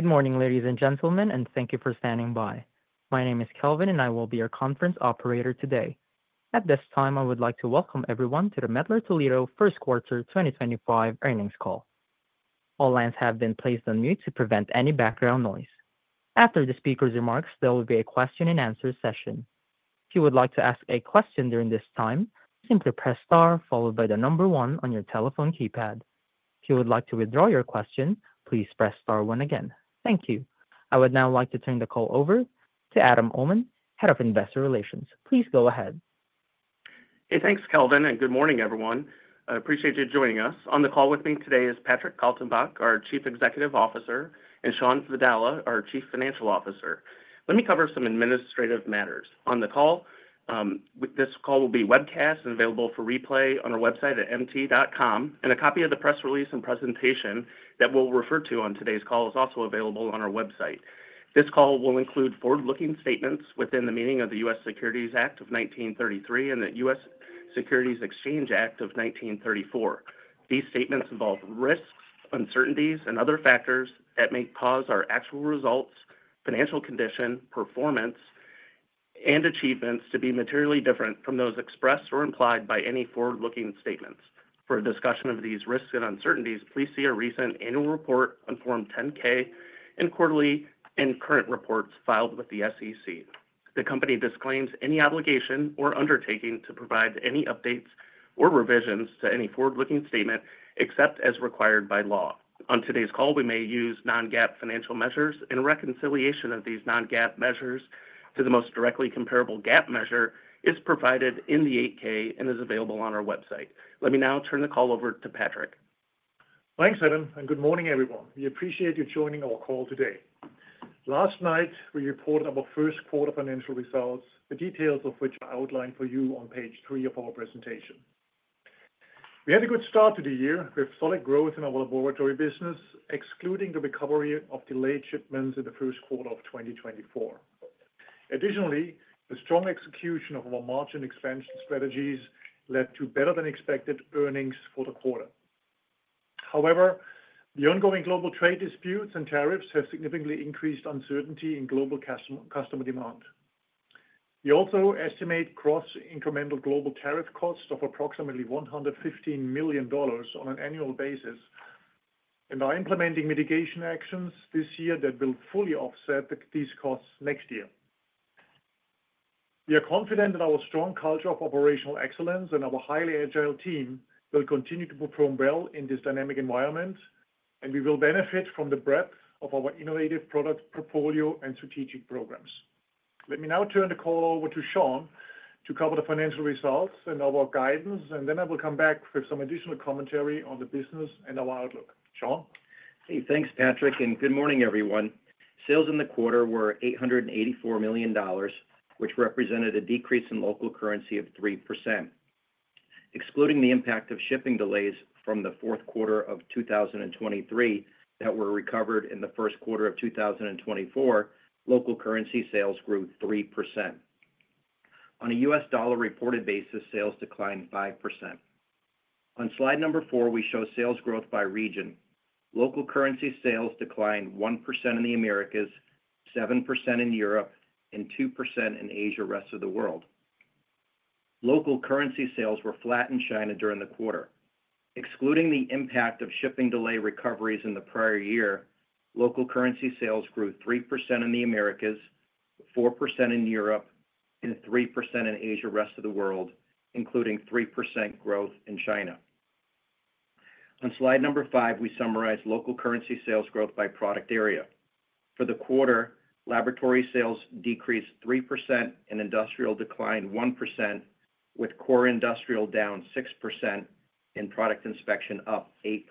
Good morning, ladies and gentlemen, and thank you for standing by. My name is Kelvin, and I will be your conference operator today. At this time, I would like to welcome everyone to the Mettler-Toledo First Quarter 2025 Earnings Call. All lines have been placed on mute to prevent any background noise. After the speaker's remarks, there will be a question-and-answer session. If you would like to ask a question during this time, simply press star followed by the number one on your telephone keypad. If you would like to withdraw your question, please press star one again. Thank you. I would now like to turn the call over to Adam Uhlman, Head of Investor Relations. Please go ahead. Hey, thanks, Kelvin, and good morning, everyone. I appreciate you joining us. On the call with me today is Patrick Kaltenbach, our Chief Executive Officer, and Shawn Vadala, our Chief Financial Officer. Let me cover some administrative matters. This call will be webcast and available for replay on our website at mt.com, and a copy of the press release and presentation that we'll refer to on today's call is also available on our website. This call will include forward-looking statements within the meaning of the U.S. Securities Act of 1933 and the U.S. Securities Exchange Act of 1934. These statements involve risks, uncertainties, and other factors that may cause our actual results, financial condition, performance, and achievements to be materially different from those expressed or implied by any forward-looking statements. For a discussion of these risks and uncertainties, please see our recent annual report on Form 10-K and quarterly and current reports filed with the SEC. The company disclaims any obligation or undertaking to provide any updates or revisions to any forward-looking statement except as required by law. On today's call, we may use non-GAAP financial measures, and reconciliation of these non-GAAP measures to the most directly comparable GAAP measure is provided in the 8-K and is available on our website. Let me now turn the call over to Patrick. Thanks, Adam, and good morning, everyone. We appreciate you joining our call today. Last night, we reported our first quarter financial results, the details of which are outlined for you on page three of our presentation. We had a good start to the year with solid growth in our laboratory business, excluding the recovery of delayed shipments in the first quarter of 2024. Additionally, the strong execution of our margin expansion strategies led to better-than-expected earnings for the quarter. However, the ongoing global trade disputes and tariffs have significantly increased uncertainty in global customer demand. We also estimate cross-incremental global tariff costs of approximately $115 million, on an annual basis and are implementing mitigation actions this year that will fully offset these costs next year. We are confident that our strong culture of operational excellence and our highly agile team will continue to perform well in this dynamic environment, and we will benefit from the breadth of our innovative product portfolio and strategic programs. Let me now turn the call over to Shawn to cover the financial results and our guidance, and then I will come back with some additional commentary on the business and our outlook. Shawn. Hey, thanks, Patrick, and good morning, everyone. Sales, in the quarter were $884 million, which represented a decrease in local currency of 3%. Excluding the impact of shipping delays from the fourth quarter of 2023 that were recovered in the first quarter of 2024, local currency sales grew 3%. On a U.S. dollar reported basis, sales, declined 5%. On slide number four, we show sales growth by region. Local currency sales, declined 1%, in the Americas, 7%, in Europe, and 2%, in Asia rest of the world. Local currency sales were flat in China during the quarter. Excluding the impact of shipping delay recoveries in the prior year, local currency sales grew 3%, in the Americas, 4%, in Europe, and 3%, in Asia rest of the world, including 3%, growth in China. On slide number five, we summarize local currency sales growth by product area. For the quarter, laboratory sales decreased 3%, and industrial declined 1%, with core industrial down 6%, and product inspection up 8%.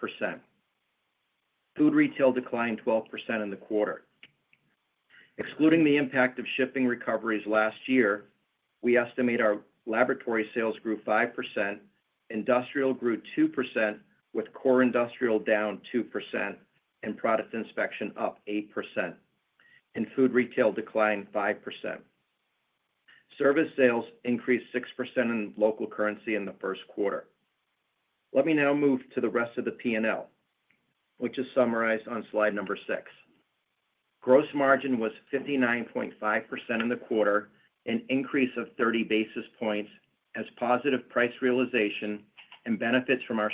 Food retail declined 12%, in the quarter. Excluding the impact of shipping recoveries last year, we estimate our laboratory sales grew 5%, industrial grew 2%, with core industrial down 2%, and product inspection up 8%, and food retail declined 5%. Service sales, increased 6%, in local currency in the first quarter. Let me now move to the rest of the P&L, which is summarized on slide number six. Gross margin, was 59.5% ,in the quarter, an increase of 30 basis points, as positive price realization and benefits from our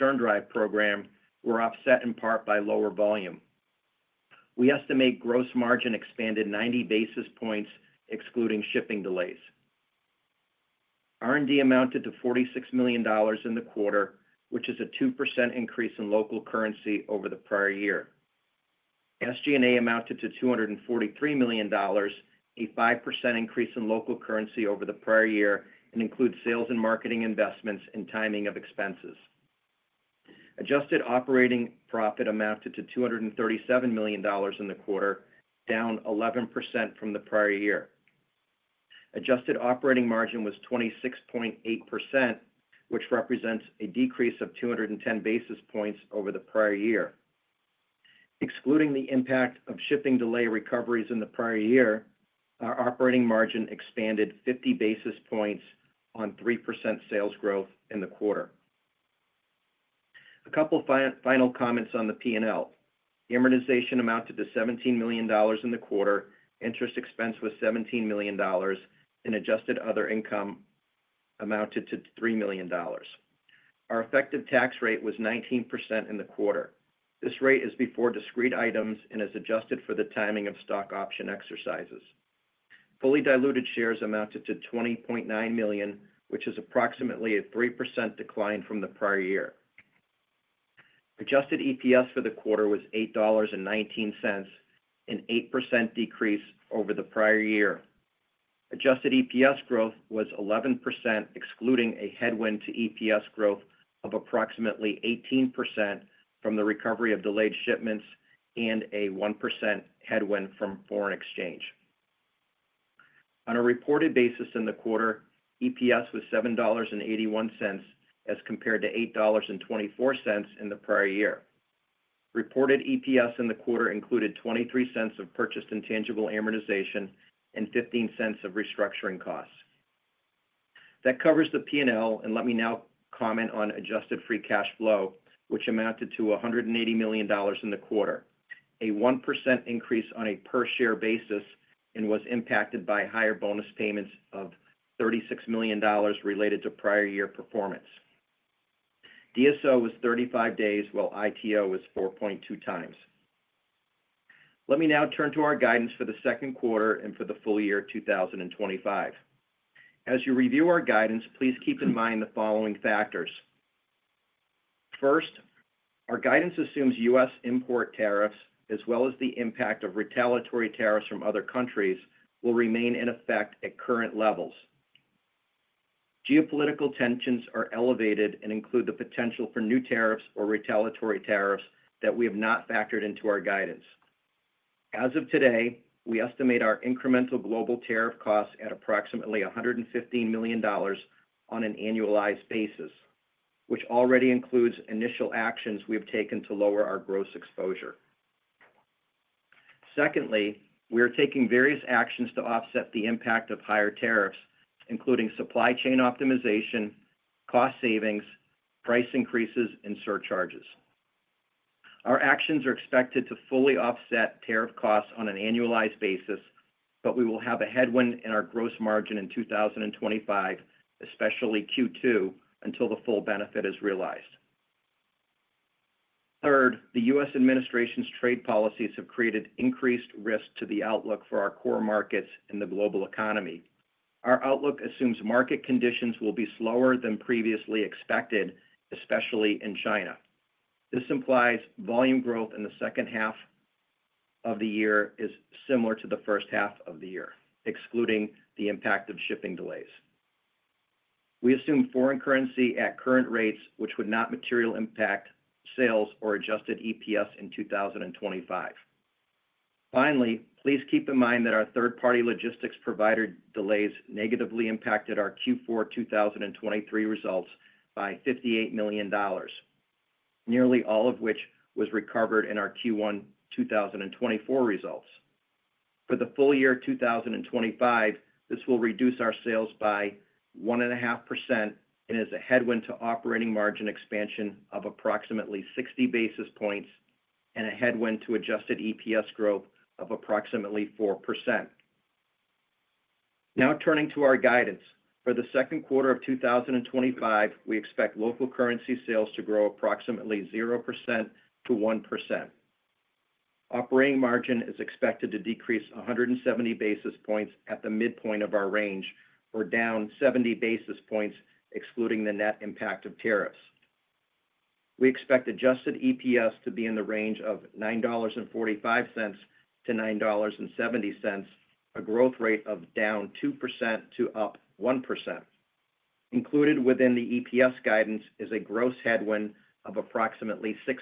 SternDrive program, were offset in part by lower volume. We estimate gross margin expanded 90 basis points, excluding shipping delays. R&D, amounted to $46 million, in the quarter, which is a 2%, increase in local currency over the prior year. SG&A,, amounted to $243 million, a 5% increase in local currency over the prior year, and includes sales and marketing investments and timing of expenses. Adjusted operating profit, amounted to $237 million, in the quarter, down 11%, from the prior year. Adjusted operating margin, was 26.8%, which represents a decrease of 210 basis points, over the prior year. Excluding the impact of shipping delay recoveries in the prior year, our operating margin, expanded 50 basis points, on 3%, sales growth in the quarter. A couple of final comments on the P&L. Amortization, amounted to $17 million, in the quarter. Interest expense was $17 million, and adjusted other income, amounted to $3 million. Our effective tax rate, was 19%, in the quarter. This rate is before discrete items and is adjusted for the timing of stock option exercises. Fully diluted shares, amounted to 20.9 million, which is approximately a 3%, decline from the prior year. Adjusted EPS, for the quarter was $8.19, an 8%, decrease over the prior year. Adjusted EPS growth, was 11%, excluding a headwind to EPS growth, of approximately 18%, from the recovery of delayed shipments and a 1%, headwind from foreign exchange. On a reported basis in the quarter, EPS, was $7.81, as compared to $8.24, in the prior year. Reported EPS, in the quarter included $0.23, of purchased intangible amortization, and $0.15, of restructuring costs. That covers the P&L, and let me now comment on adjusted free cash flow, which amounted to $180 million, in the quarter, a 1%, increase on a per-share basis, and was impacted by higher bonus payments of $36 million, related to prior year performance. DSO, was 35 days, while ITO, was 4.2 times. Let me now turn to our guidance for the second quarter and for the full year 2025. As you review our guidance, please keep in mind the following factors. First, our guidance assumes U.S. import tariffs, as well as the impact of retaliatory tariffs from other countries, will remain in effect at current levels. Geopolitical tensions are elevated and include the potential for new tariffs or retaliatory tariffs that we have not factored into our guidance. As of today, we estimate our incremental global tariff costs, at approximately $115 million, on an annualized basis, which already includes initial actions we have taken to lower our gross exposure. Secondly, we are taking various actions to offset the impact of higher tariffs, including supply chain optimization, cost savings, price increases, and surcharges. Our actions are expected to fully offset tariff costs, on an annualized basis, but we will have a headwind in our gross margin, in 2025, especially Q2, until the full benefit is realized. Third, the U.S. administration's trade policies have created increased risk to the outlook for our core markets and the global economy. Our outlook assumes market conditions will be slower than previously expected, especially in China. This implies volume growth in the second half of the year is similar to the first half of the year, excluding the impact of shipping delays. We assume foreign currency at current rates, which would not materially impact sales or adjusted EPS, in 2025. Finally, please keep in mind that our third-party logistics provider delays negatively impacted our Q4 2023 result by $58 million, nearly all of which was recovered in our Q1 2024 results. For the full year 2025, this will reduce our sales, by 1.5%, and is a headwind to operating margin, expansion of approximately 60 basis points, and a headwind to adjusted EPS growth, of approximately 4%. Now turning to our guidance, for the second quarter of 2025, we expect local currency sales to grow approximately 0%-1%. Operating margin, is expected to decrease 170 basis points, at the midpoint of our range, or down 70 basis points, excluding the net impact of tariffs. We expect adjusted EPS, to be in the range of $9.45-$9.70, a growth rate, of down 2%, to up 1%. Included within the EPS, guidance is a gross headwind of approximately 6%,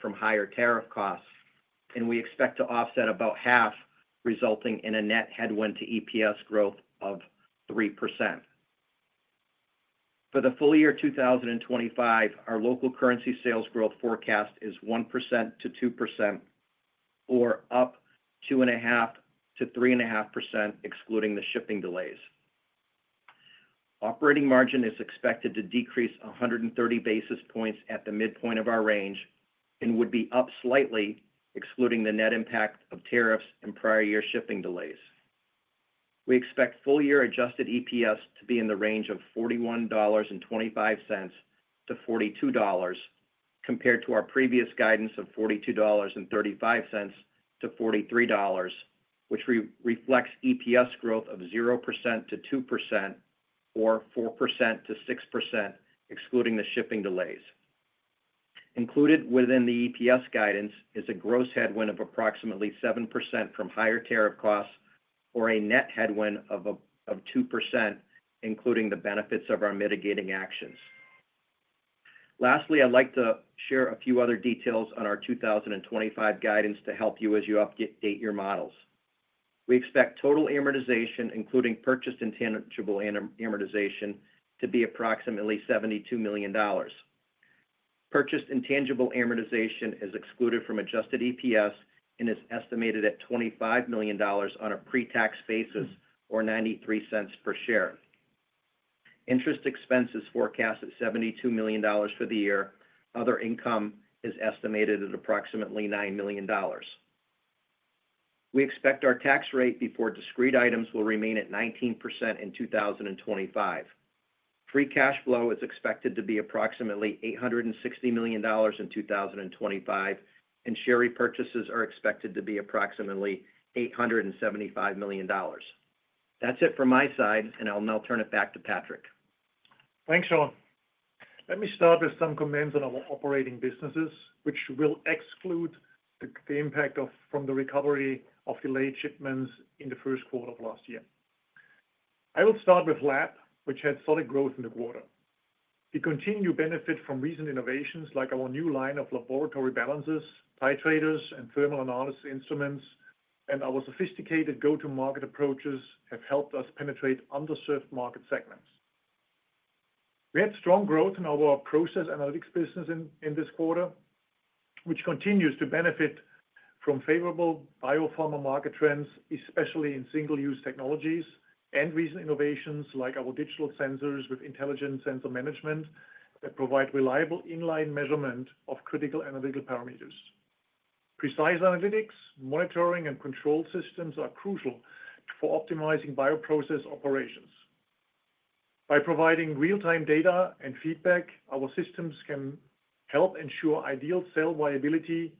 from higher tariff costs, and we expect to offset about half, resulting in a net headwind to EPS growt, of 3%. For the full year 2025, our local currency sales growth, forecast is 1%-2%, or up 2.5%-3.5%, excluding the shipping delays. Operating margin, is expected to decrease 130 basis points, at the midpoint of our range and would be up slightly, excluding the net impact of tariffs and prior year shipping delays. We expect full year adjusted EPS, to be in the range of $41.25-$42, compared to our previous guidance of $42.35-$43, which reflects EPS growth, of 0%-2%, or 4%-6%, excluding the shipping delays. Included within the EPS guidance, is a gross headwind of approximately 7%, from higher tariff costs, or a net headwind of 2%, including the benefits of our mitigating actions. Lastly, I'd like to share a few other details on our 2025 guidance to help you as you update your models. We expect total amortization, including purchased intangible amortization, to be approximately $72 million. Purchased intangible amortization, is excluded from adjusted EPS, and is estimated at $25 million, on a pre-tax basis, or $0.93 per share. Interest expense is forecast at $72 million for the year. Other income, is estimated at approximately $9 million. We expect our tax rate before discrete items, will remain at 19%, in 2025. Free cash flow, is expected to be approximately $860 million, in 2025, and share repurchases are expected to be approximately $875 million. That's it from my side, and I'll now turn it back to Patrick. Thanks, Shawn. Let me start with some comments on our operating businesses, which will exclude the impact from the recovery of delayed shipments in the first quarter of last year. I will start with LAP, which had solid growth in the quarter. We continue to benefit from recent innovations like our new line of laboratory balancers, titrators, and thermal analysis instruments, and our sophisticated go-to-market approaches have helped us penetrate underserved market segments. We had strong growth in our process analytics business in this quarter, which continues to benefit from favorable biopharma market trends, especially in single-use technologies and recent innovations like our digital sensors with intelligent sensor management, that provide reliable inline measurement of critical analytical parameters. Precise analytics, monitoring, and control systems are crucial for optimizing bioprocess operations. By providing real-time data and feedback, our systems can help ensure ideal cell viability,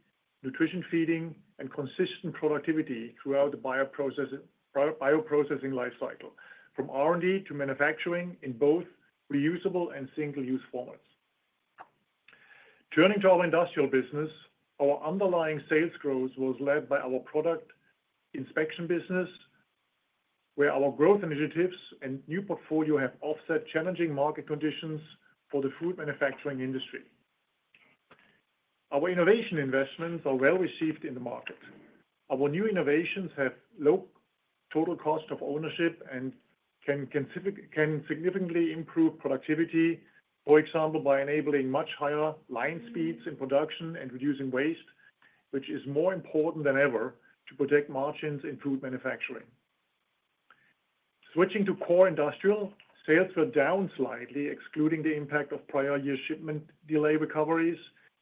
nutrition feeding, and consistent productivity throughout the bioprocessing lifecycle, from R&D, to manufacturing in both reusable and single-use formats. Turning to our industrial business, our underlying sales growth, was led by our product inspection business, where our growth initiatives and new portfolio have offset challenging market conditions for the food manufacturing industry. Our innovation investments, are well received in the market. Our new innovations have low total cost of ownership and can significantly improve productivity, for example, by enabling much higher line speeds in production and reducing waste, which is more important than ever to protect margins in food manufacturing. Switching to core industrial, sales were down slightly, excluding the impact of prior year shipment delay recoveries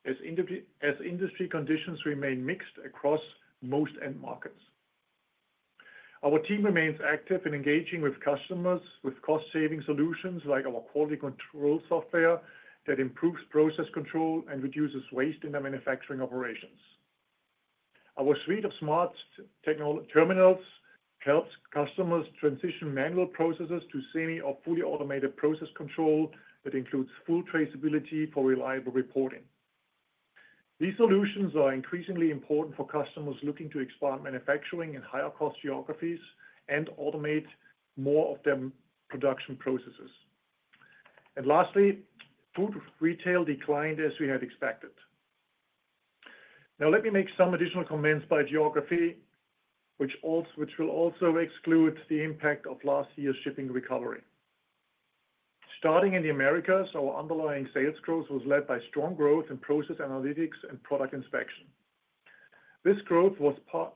as industry conditions remain mixed across most end markets. Our team remains active in engaging with customers with cost-saving solutions, like our quality control software, that improves process control and reduces waste in our manufacturing operations. Our suite of smart terminals helps customers transition manual processes to semi or fully automated process control that includes full traceability for reliable reporting. These solutions are increasingly important for customers looking to expand manufacturing in higher-cost geographies and automate more of their production processes. Lastly, food retail declined as we had expected. Now, let me make some additional comments by geography, which will also exclude the impact of last year's shipping recovery. Starting in the Americas, our underlying sales growth was led by strong growth in process analytics and product inspection. This growth was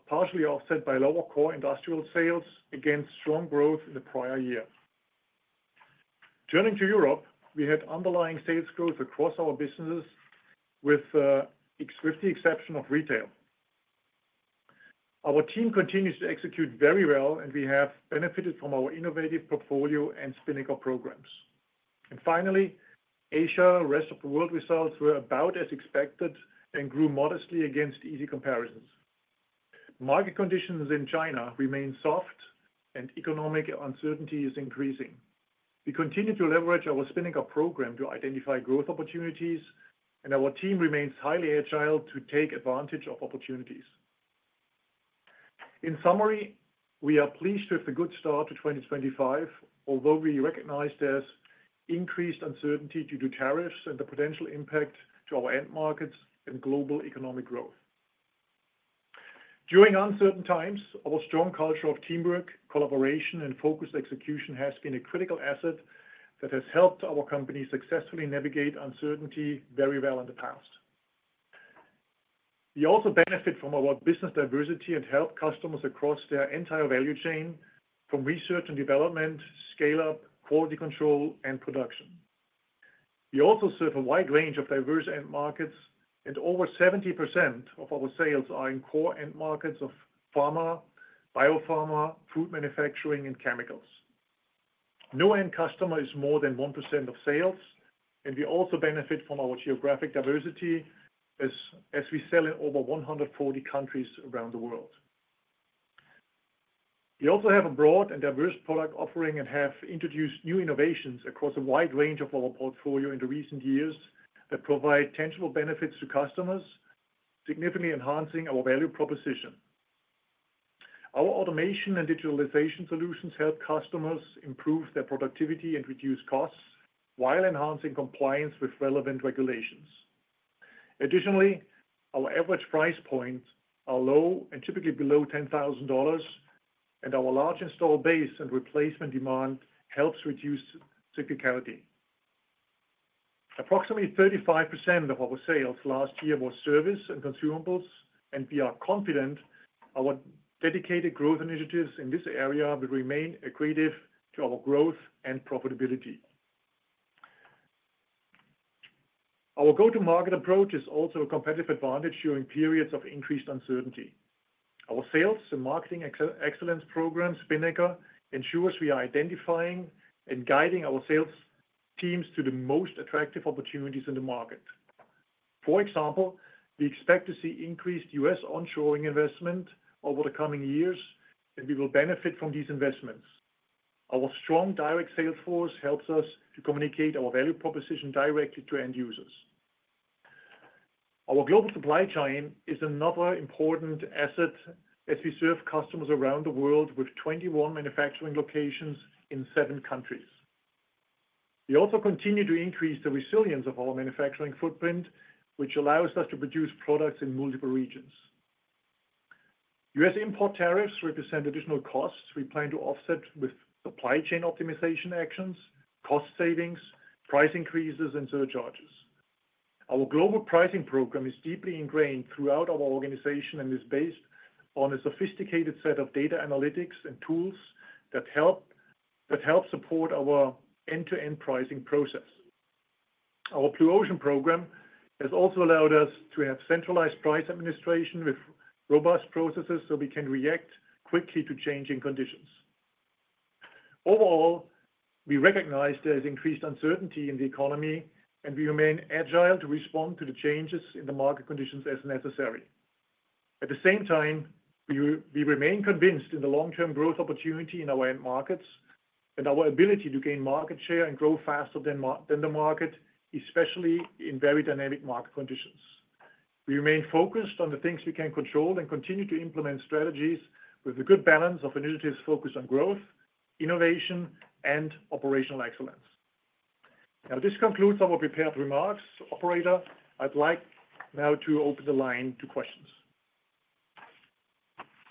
partially offset by lower core industrial sales against strong growth in the prior year. Turning to Europe, we had underlying sales growth, across our businesses, with the exception of retail. Our team, continues to execute very well, and we have benefited from our innovative portfolio and spending programs. Finally, Asia, rest of the world results were about as expected and grew modestly against easy comparisons. Market conditions in China remain soft, and economic uncertainty is increasing. We continue to leverage our spending program to identify growth opportunities, and our team remains highly agile to take advantage of opportunities. In summary, we are pleased with the good start to 2025, although we recognize there's increased uncertainty due to tariffs and the potential impact to our end markets and global economic growth. During uncertain times, our strong culture of teamwork, collaboration, and focused execution has been a critical asset that has helped our company successfully navigate uncertainty very well in the past. We also benefit from our business diversity and help customers across their entire value chain from research and development, scale-up, quality control, and production. We also serve a wide range of diverse end markets, and over 70%, of our sales, are in core end markets of pharma, biopharma, food manufacturing, and chemicals. No end customer is more than 1% of sales, and we also benefit from our geographic diversity, as we sell in over 140 countries around the world. We also have a broad and diverse product offering and have introduced new innovations across a wide range of our portfolio in the recent years that provide tangible benefits, to customers, significantly enhancing our value proposition. Our automation and digitalization solutions help customers improve their productivity and reduce costs while enhancing compliance with relevant regulations. Additionally, our average price points are low and typically below $10,000, and our large install base and replacement demand helps reduce typicality. Approximately 35%, of our sales, last year was service and consumables, and we are confident our dedicated growth initiatives in this area will remain accretive to our growth and profitability. Our go-to-market approach is also a competitive advantage during periods of increased uncertainty. Our sales and marketing excellence program, Spinnaker, ensures we are identifying and guiding our sales teams, to the most attractive opportunities in the market. For example, we expect to see increased U.S. onshoring investment over the coming years, and we will benefit from these investments. Our strong direct sales force helps us to communicate our value proposition directly to end users. Our global supply chain is another important asset as we serve customers around the world with 21 manufacturing locations in seven countries. We also continue to increase the resilience of our manufacturing footprint, which allows us to produce products in multiple regions. U.S. import tariffs represent additional costs we plan to offset with supply chain optimization actions, cost savings, price increases, and surcharges. Our global pricing program, is deeply ingrained throughout our organization and is based on a sophisticated set of data analytics and tools that help support our end-to-end pricing process. Our Blue Ocean program, has also allowed us to have centralized price administration with robust processes so we can react quickly to changing conditions. Overall, we recognize there's increased uncertainty in the economy, and we remain agile to respond to the changes in the market conditions as necessary. At the same time, we remain convinced in the long-term growth opportunity in our end markets and our ability to gain market share and grow faster than the market, especially in very dynamic market conditions. We remain focused on the things we can control and continue to implement strategies with a good balance of initiatives focused on growth, innovation, and operational excellence. Now, this concludes our prepared remarks, Operator. I'd like now to open the line to questions.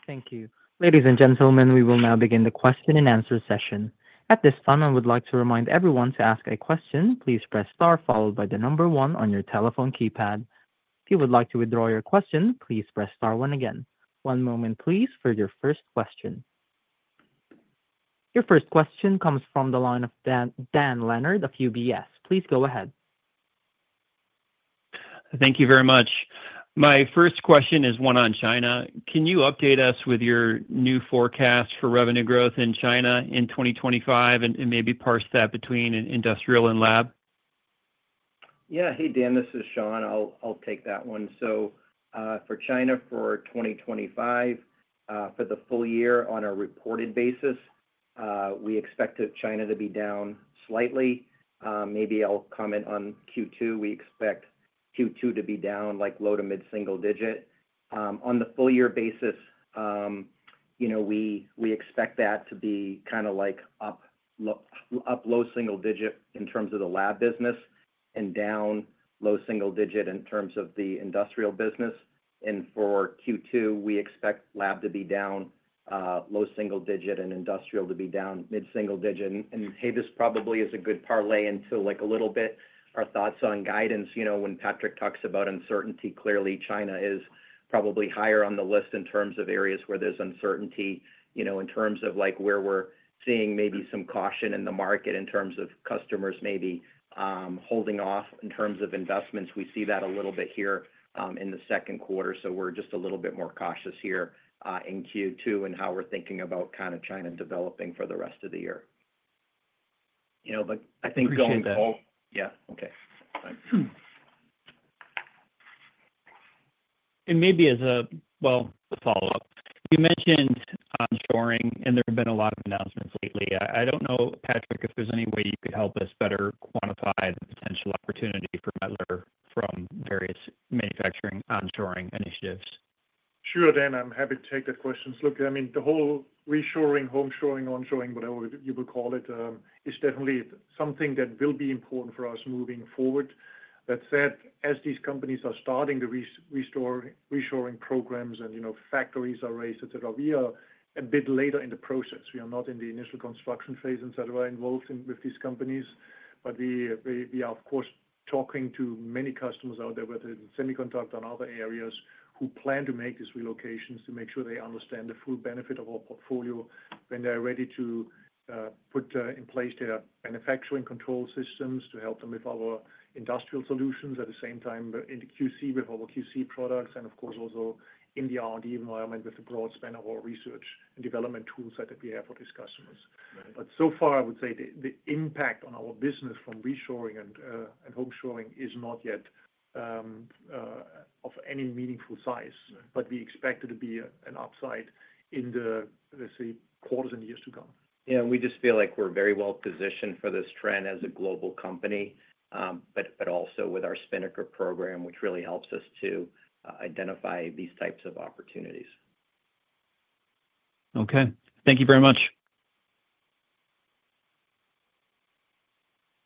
Thank you. Ladies and gentlemen, we will now begin the question and answer session. At this time, I would like to remind everyone to ask a question. Please press star followed by the number one on your telephone keypad. If you would like to withdraw your question, please press star one again. One moment, please, for your first question. Your first question comes from the line of Dan Leonard of UBS. Please go ahead. Thank you very much. My first question is one on China. Can you update us with your new forecast for revenue growth in China in 2025 and maybe parse that between industrial and lab? Yeah. Hey, Dan, this is Shawn. I'll take that one. For China for 2025, for the full year on a reported basis, we expect China to be down slightly. Maybe I'll comment on Q2. We expect Q2, to be down like low to mid-single digit. On the full year basis, we expect that to be kind of like up low single digit in termws of the lab business and down low single digit in terms of the industrial business. For Q2, we expect lab to be down low single digit and industrial to be down mid-single digit. Hey, this probably is a good parlay into a little bit our thoughts on guidance. When Patrick talks about uncertainty, clearly China is probably higher on the list in terms of areas where there's uncertainty, in terms of where we're seeing maybe some caution in the market in terms of customers maybe holding off in terms of investments. We see that a little bit here in the second quarter, so we're just a little bit more cautious here in Q2 and how we're thinking about kind of China developing for the rest of the year. I think going bold. Yeah. Okay. Thanks. Maybe as a follow-up, you mentioned onshoring, and there have been a lot of announcements lately. I don't know, Patrick, if there's any way you could help us better quantify the potential opportunity for Mettler from various manufacturing onshoring initiatives. Sure, Dan. I'm happy to take that question. Look, I mean, the whole reshoring, home shoring, onshoring, whatever you would call it, is definitely something that will be important for us moving forward. That said, as these companies are starting the reshoring programs and factories are raised, etc., we are a bit later in the process. We are not in the initial construction phase, etc., involved with these companies, but we are, of course, talking to many customers out there, whether it's semiconductor or other areas, who plan to make these relocations to make sure they understand the full benefit of our portfolio when they're ready to put in place their manufacturing control systems to help them with our industrial solutions, at the same time in the QC with our QC products, and of course, also in the R&D environment with the broad span of our research and development tools that we have for these customers. So far, I would say the impact on our business from reshoring and home shoring is not yet of any meaningful size, but we expect it to be an upside in the, let's say, quarters and years to come. Yeah. We just feel like we're very well positioned for this trend as a global company, but also with our Spinnaker program, which really helps us to identify these types of opportunities. Okay. Thank you very much.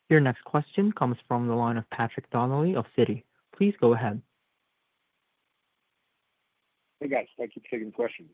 Your next question comes from the line of Patrick Donnelly of Citi. Please go ahead. Hey, guys. Thank you for taking the questions.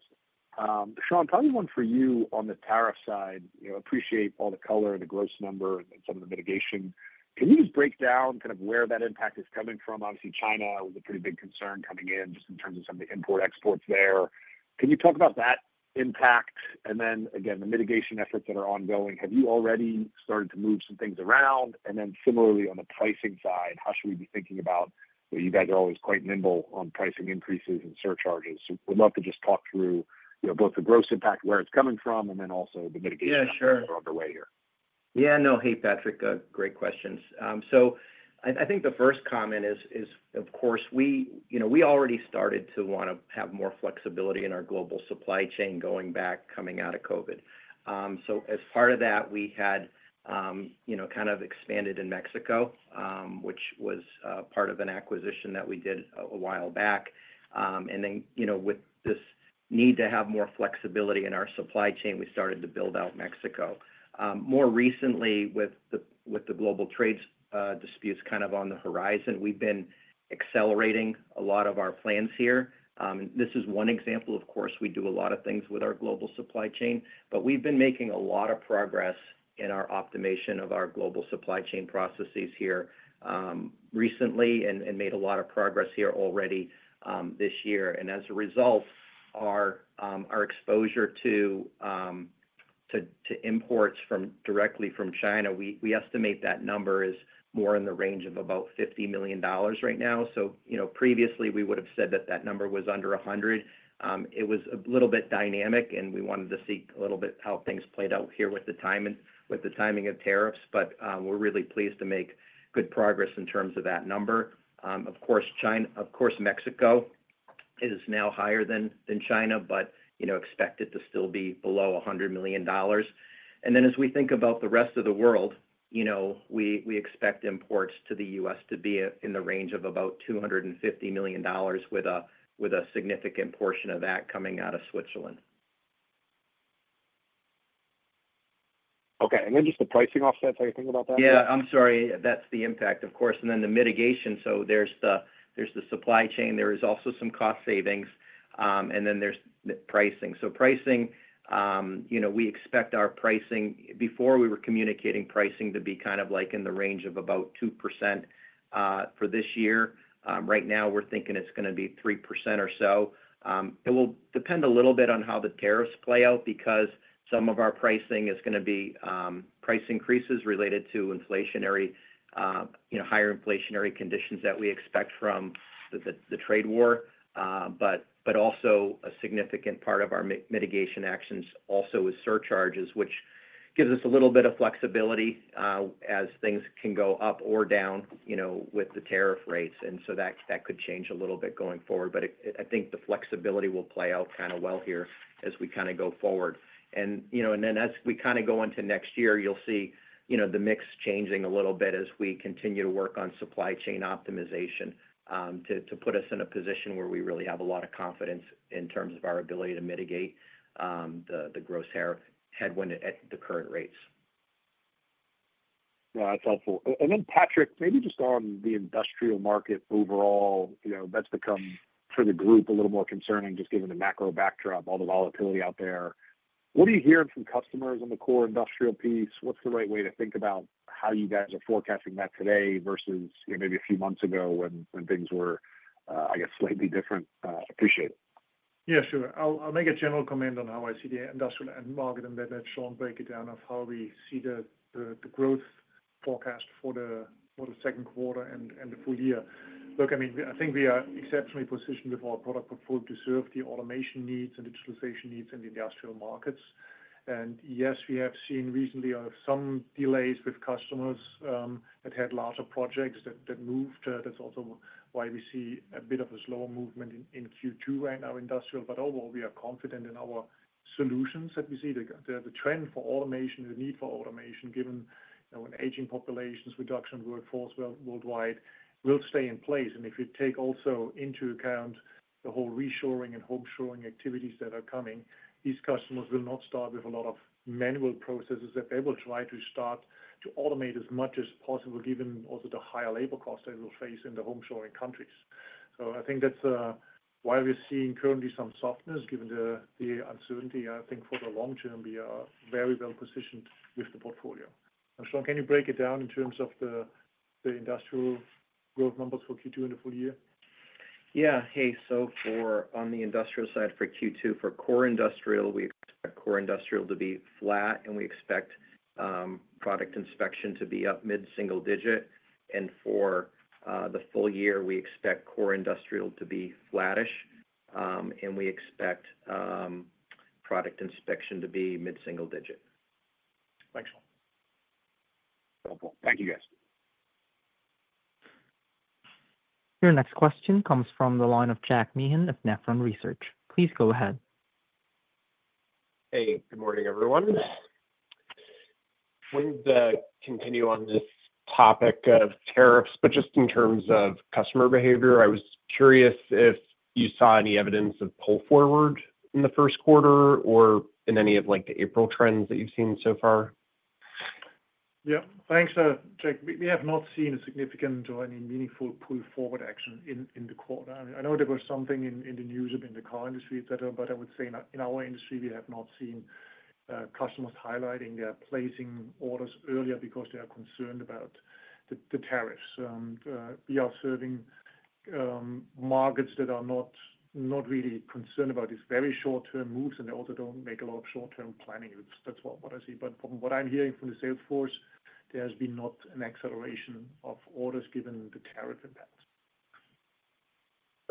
Shawn, probably one for you on the tariff side. Appreciate all the color and the gross number and some of the mitigation. Can you just break down kind of where that impact is coming from? Obviously, China was a pretty big concern coming in just in terms of some of the import exports there. Can you talk about that impact? And then again, the mitigation efforts that are ongoing, have you already started to move some things around? Similarly, on the pricing side, how should we be thinking about you guys are always quite nimble on pricing increases and surcharges. We'd love to just talk through both the gross impact, where it's coming from, and then also the mitigation efforts that are underway here. Yeah. No. Hey, Patrick. Great questions. I think the first comment is, of course, we already started to want to have more flexibility in our global supply chain going back, coming out of COVID. As part of that, we had kind of expanded in Mexico, which was part of an acquisition that we did a while back. With this need to have more flexibility in our supply chain, we started to build out Mexico. More recently, with the global trade disputes kind of on the horizon, we've been accelerating a lot of our plans here. This is one example. Of course, we do a lot of things with our global supply chain, but we've been making a lot of progress in our optimization of our global supply chain processes here recently and made a lot of progress here already this year. As a result, our exposure to imports directly from China, we estimate that number is more in the range of about $50 million right now. Previously, we would have said that that number was under $100 million. It was a little bit dynamic, and we wanted to see a little bit how things played out here with the timing of tariffs, but we're really pleased to make good progress in terms of that number. Of course, Mexico is now higher than China, but expect it to still be below $100 million. As we think about the rest of the world, we expect imports to the U.S. to be in the range of about $250 million, with a significant portion of that coming out of Switzerland. Okay. Then just the pricing offset, you think about that? Yeah. I'm sorry. That's the impact, of course. Then the mitigation. There is the supply chain. There is also some cost savings, and then there's pricing. Pricing, we expect our pricing before we were communicating pricing to be kind of like in the range of about 2% for this year. Right now, we're thinking it's going to be 3% or so. It will depend a little bit on how the tariffs play out because some of our pricing is going to be price increases related to inflationary, higher inflationary conditions that we expect from the trade war, but also a significant part of our mitigation actions also is surcharges, which gives us a little bit of flexibility as things can go up or down with the tariff rates. That could change a little bit going forward, but I think the flexibility will play out kind of well here as we kind of go forward. As we kind of go into next year, you'll see the mix changing a little bit as we continue to work on supply chain optimization to put us in a position where we really have a lot of confidence in terms of our ability to mitigate the gross headwind at the current rates. Yeah. That's helpful. Patrick, maybe just on the industrial market overall, that's become, for the group, a little more concerning just given the macro backdrop, all the volatility out there. What are you hearing from customers on the core industrial piece? What's the right way to think about how you guys are forecasting that today versus maybe a few months ago when things were, I guess, slightly different? Appreciate it. Yeah. Sure. I'll make a general comment on how I see the industrial and market, and then Shawn break it down of how we see the growth forecast for the second quarter and the full year. Look, I mean, I think we are exceptionally positioned with our product portfolio to serve the automation needs and digitalization needs in the industrial markets. Yes, we have seen recently some delays with customers that had larger projects that moved. That's also why we see a bit of a slower movement in Q2 in our industrial. Overall, we are confident in our solutions that we see. The trend for automation, the need for automation, given aging populations, reduction of workforce worldwide, will stay in place. If you take also into account the whole reshoring and home shoring activities that are coming, these customers will not start with a lot of manual processes that they will try to start to automate as much as possible, given also the higher labor costs that we will face in the home shoring countries. I think that's why we're seeing currently some softness given the uncertainty. I think for the long term, we are very well positioned with the portfolio. Shawn, can you break it down in terms of the industrial growth numbers for Q2 and the full year? Yeah. Hey, on the industrial side for Q2, for core industrial, we expect core industrial to be flat, and we expect product inspection to be up mid-single digit. For the full year, we expect core industrial to be flattish, and we expect product inspection to be mid-single digit. Thanks, Shawn. Thank you, guys. Your next question comes from the line of Jack Meehan of Needham Research. Please go ahead. Hey. Good morning, everyone. I'm going to continue on this topic of tariffs, but just in terms of customer behavior, I was curious if you saw any evidence of pull forward in the first quarter or in any of the April trends that you've seen so far. Yeah. Thanks, Jack. We have not seen a significant or any meaningful pull forward action in the quarter. I know there was something in the news of in the car industry, etc., but I would say in our industry, we have not seen customers highlighting their placing orders earlier because they are concerned about the tariffs. We are serving markets that are not really concerned about these very short-term moves, and they also do not make a lot of short-term planning. That is what I see. From what I am hearing from the salesforce, there has been not an acceleration of orders given the tariff impact.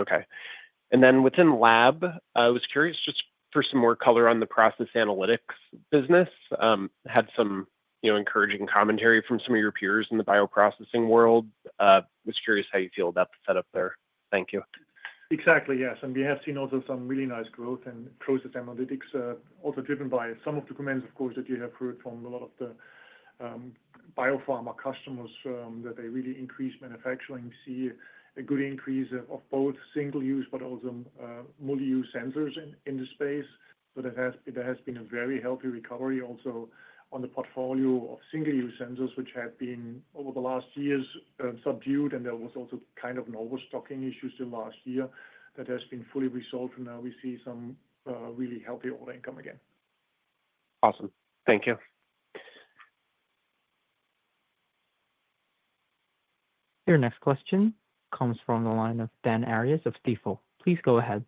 Okay. Within lab, I was curious just for some more color on the process analytics business. Had some encouraging commentary from some of your peers in the bioprocessing world. I was curious how you feel about the setup there. Thank you. Exactly. Yes. We have seen also some really nice growth in process analytics, also driven by some of the comments, of course, that you have heard from a lot of the biopharma customers that they really increased manufacturing. We see a good increase of both single-use, but also multi-use sensors in the space. There has been a very healthy recovery also on the portfolio of single-use sensors, which had been over the last years subdued, and there was also kind of an overstocking issue still last year that has been fully resolved. Now we see some really healthy ordering come again. Awesome. Thank you. Your next question comes from the line of Dan Arias of Stifel. Please go ahead.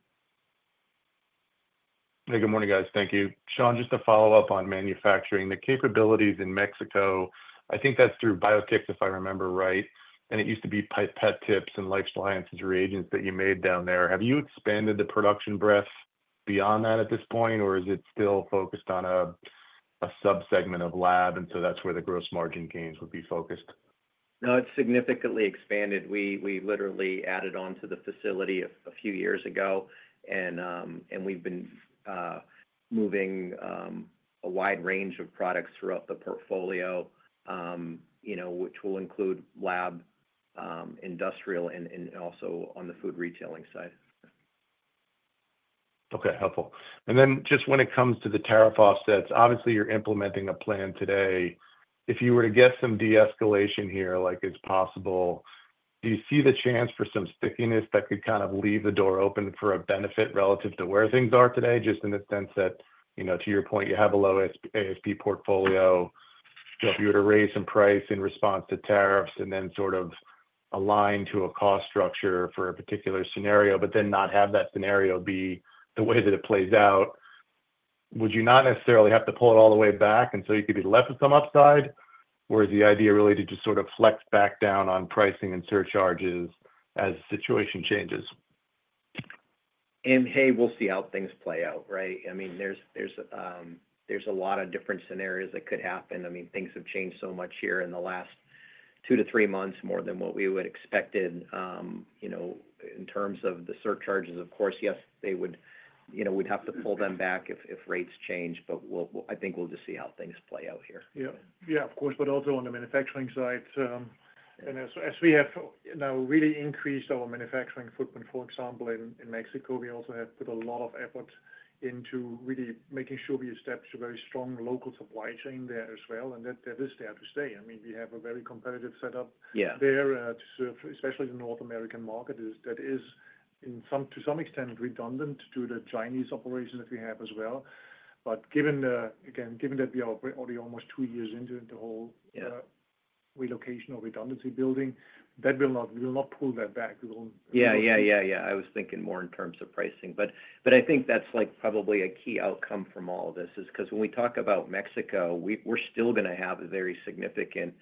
Hey, good morning, guys. Thank you. Shawn, just to follow up on manufacturing, the capabilities in Mexico, I think that's through BioTIPS, if I remember right, and it used to be Pipette Tips and Life Sciences reagents that you made down there. Have you expanded the production breadth beyond that at this point, or is it still focused on a subsegment of lab, and so that's where the gross margin gains would be focused? No, it's significantly expanded. We literally added on to the facility a few years ago, and we've been moving a wide range of products throughout the portfolio, which will include lab, industrial, and also on the food retailing side. Okay. Helpful. When it comes to the tariff offsets, obviously, you're implementing a plan today. If you were to get some de-escalation here, like it's possible, do you see the chance for some stickiness that could kind of leave the door open for a benefit relative to where things are today, just in the sense that, to your point, you have a low ASP portfolio? If you were to raise some price in response to tariffs and then sort of align to a cost structure for a particular scenario, but then not have that scenario be the way that it plays out, would you not necessarily have to pull it all the way back, and so you could be left with some upside? Is the idea really to just sort of flex back down on pricing and surcharges as the situation changes? Hey, we'll see how things play out, right? I mean, there's a lot of different scenarios that could happen. I mean, things have changed so much here in the last two to three months, more than what we would have expected in terms of the surcharges. Of course, yes, they would have to pull them back if rates change, but I think we'll just see how things play out here. Yeah. Yeah, of course. Also on the manufacturing side, as we have now really increased our manufacturing footprint, for example, in Mexico, we also have put a lot of effort into really making sure we establish a very strong local supply chain there as well. That is there to stay. I mean, we have a very competitive setup there to serve, especially the North American market, that is, to some extent, redundant to the Chinese operations that we have as well. Again, given that we are already almost two years into the whole relocation or redundancy building, we will not pull that back. Yeah. Yeah. Yeah. I was thinking more in terms of pricing. I think that's probably a key outcome from all of this is because when we talk about Mexico, we're still going to have a very significant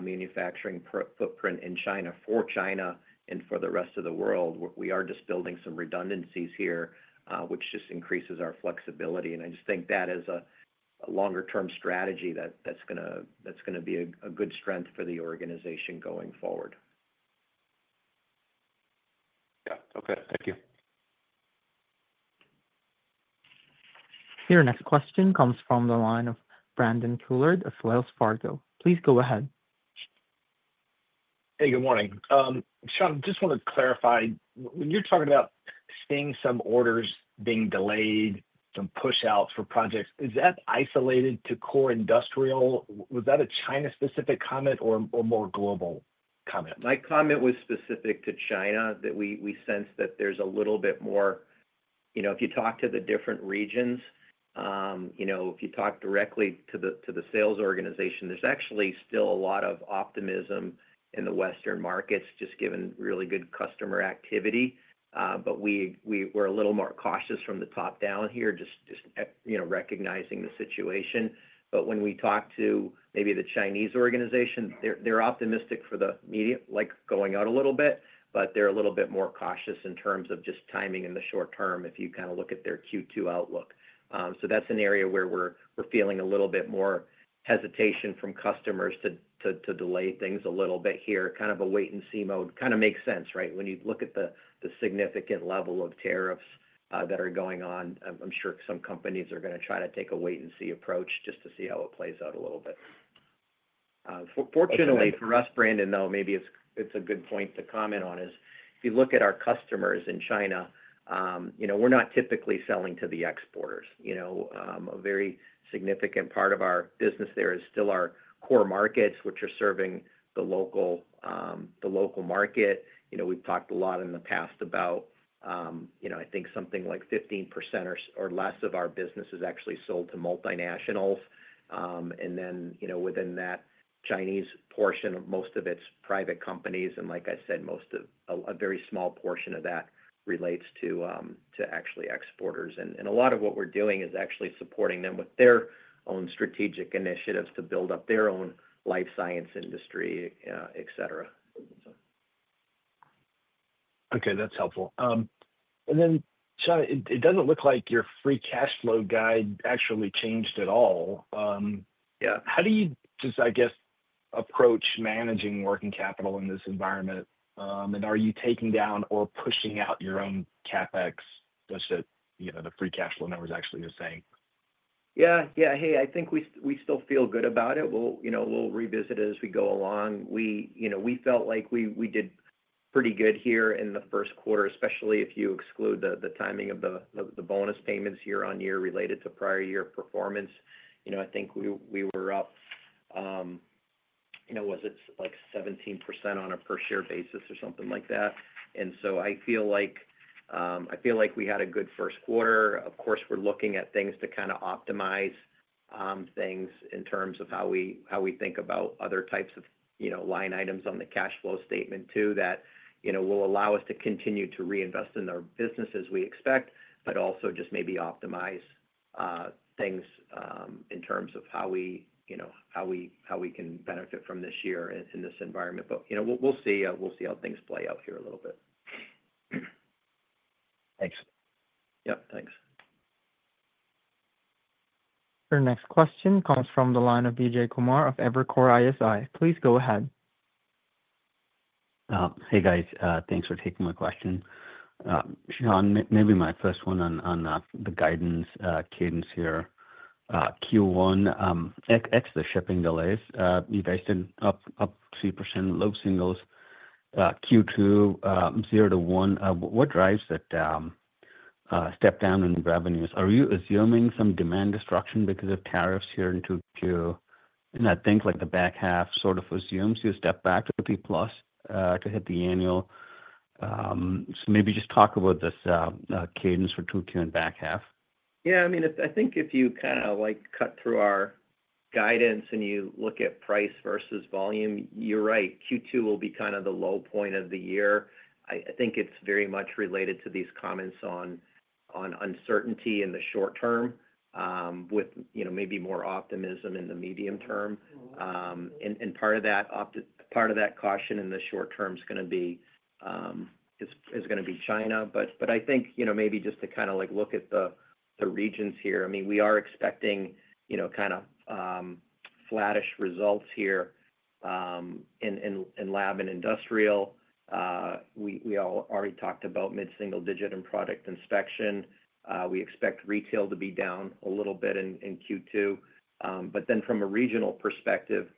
manufacturing footprint in China for China and for the rest of the world. We are just building some redundancies here, which just increases our flexibility. I just think that is a longer-term strategy that's going to be a good strength for the organization going forward. Yeah. Okay. Thank you. Your next question comes from the line of Brandon Couillard of Wells Fargo. Please go ahead. Hey, good morning. Shawn, I just want to clarify. When you're talking about seeing some orders being delayed, some push-outs for projects, is that isolated to core industrial? Was that a China-specific comment or more global comment? My comment was specific to China that we sense that there's a little bit more if you talk to the different regions, if you talk directly to the sales organization, there's actually still a lot of optimism in the Western markets just given really good customer activity. We are a little more cautious from the top down here, just recognizing the situation. When we talk to maybe the Chinese organization, they're optimistic for the media, like going out a little bit, but they're a little bit more cautious in terms of just timing in the short term if you kind of look at their Q2 outlook. That is an area where we're feeling a little bit more hesitation from customers to delay things a little bit here, kind of a wait-and-see mode. Kind of makes sense, right? When you look at the significant level of tariffs that are going on, I'm sure some companies are going to try to take a wait-and-see approach just to see how it plays out a little bit. Fortunately for us, Brandon, though, maybe it's a good point to comment on is if you look at our customers in China, we're not typically selling to the exporters. A very significant part of our business there is still our core markets, which are serving the local market. We've talked a lot in the past about, I think, something like 15% or less of our business is actually sold to multinationals. And then within that Chinese portion, most of it's private companies. And like I said, a very small portion of that relates to actually exporters. A lot of what we're doing is actually supporting them with their own strategic initiatives to build up their own life science industry, etc. Okay. That's helpful. Shawn, it doesn't look like your free cash flow guide actually changed at all. How do you just, I guess, approach managing working capital in this environment? Are you taking down or pushing out your own CapEx such that the free cash flow number is actually the same? Yeah. Yeah. Hey, I think we still feel good about it. We'll revisit it as we go along. We felt like we did pretty good here in the first quarter, especially if you exclude the timing of the bonus payments year on year related to prior year performance. I think we were up, was it like 17% on a per-share basis or something like that? I feel like we had a good first quarter. Of course, we're looking at things to kind of optimize things in terms of how we think about other types of line items on the cash flow statement too that will allow us to continue to reinvest in our business as we expect, but also just maybe optimize things in terms of how we can benefit from this year in this environment. We'll see how things play out here a little bit. Thanks. Yeah. Thanks. Your next question comes from the line of Vijay Kumar of Evercore ISI. Please go ahead. Hey, guys. Thanks for taking my question. Shawn, maybe my first one on the guidance cadence here. Q1, ex the shipping delays, you guys did up 2%, low singles. Q2, 0-1%, what drives that step down in revenues? Are you assuming some demand destruction because of tariffs here in 2Q? I think the back half sort of assumes you step back to 3% plus to hit the annual. Maybe just talk about this cadence for 2Q and back half. Yeah. I mean, I think if you kind of cut through our guidance and you look at price versus volume, you're right. Q2 will be kind of the low point of the year. I think it's very much related to these comments on uncertainty in the short term with maybe more optimism in the medium term. Part of that caution in the short term is going to be China. I think maybe just to kind of look at the regions here, I mean, we are expecting kind of flattish results here in lab and industrial. We already talked about mid-single digit and product inspection. We expect retail to be down a little bit in Q2. From a regional perspective,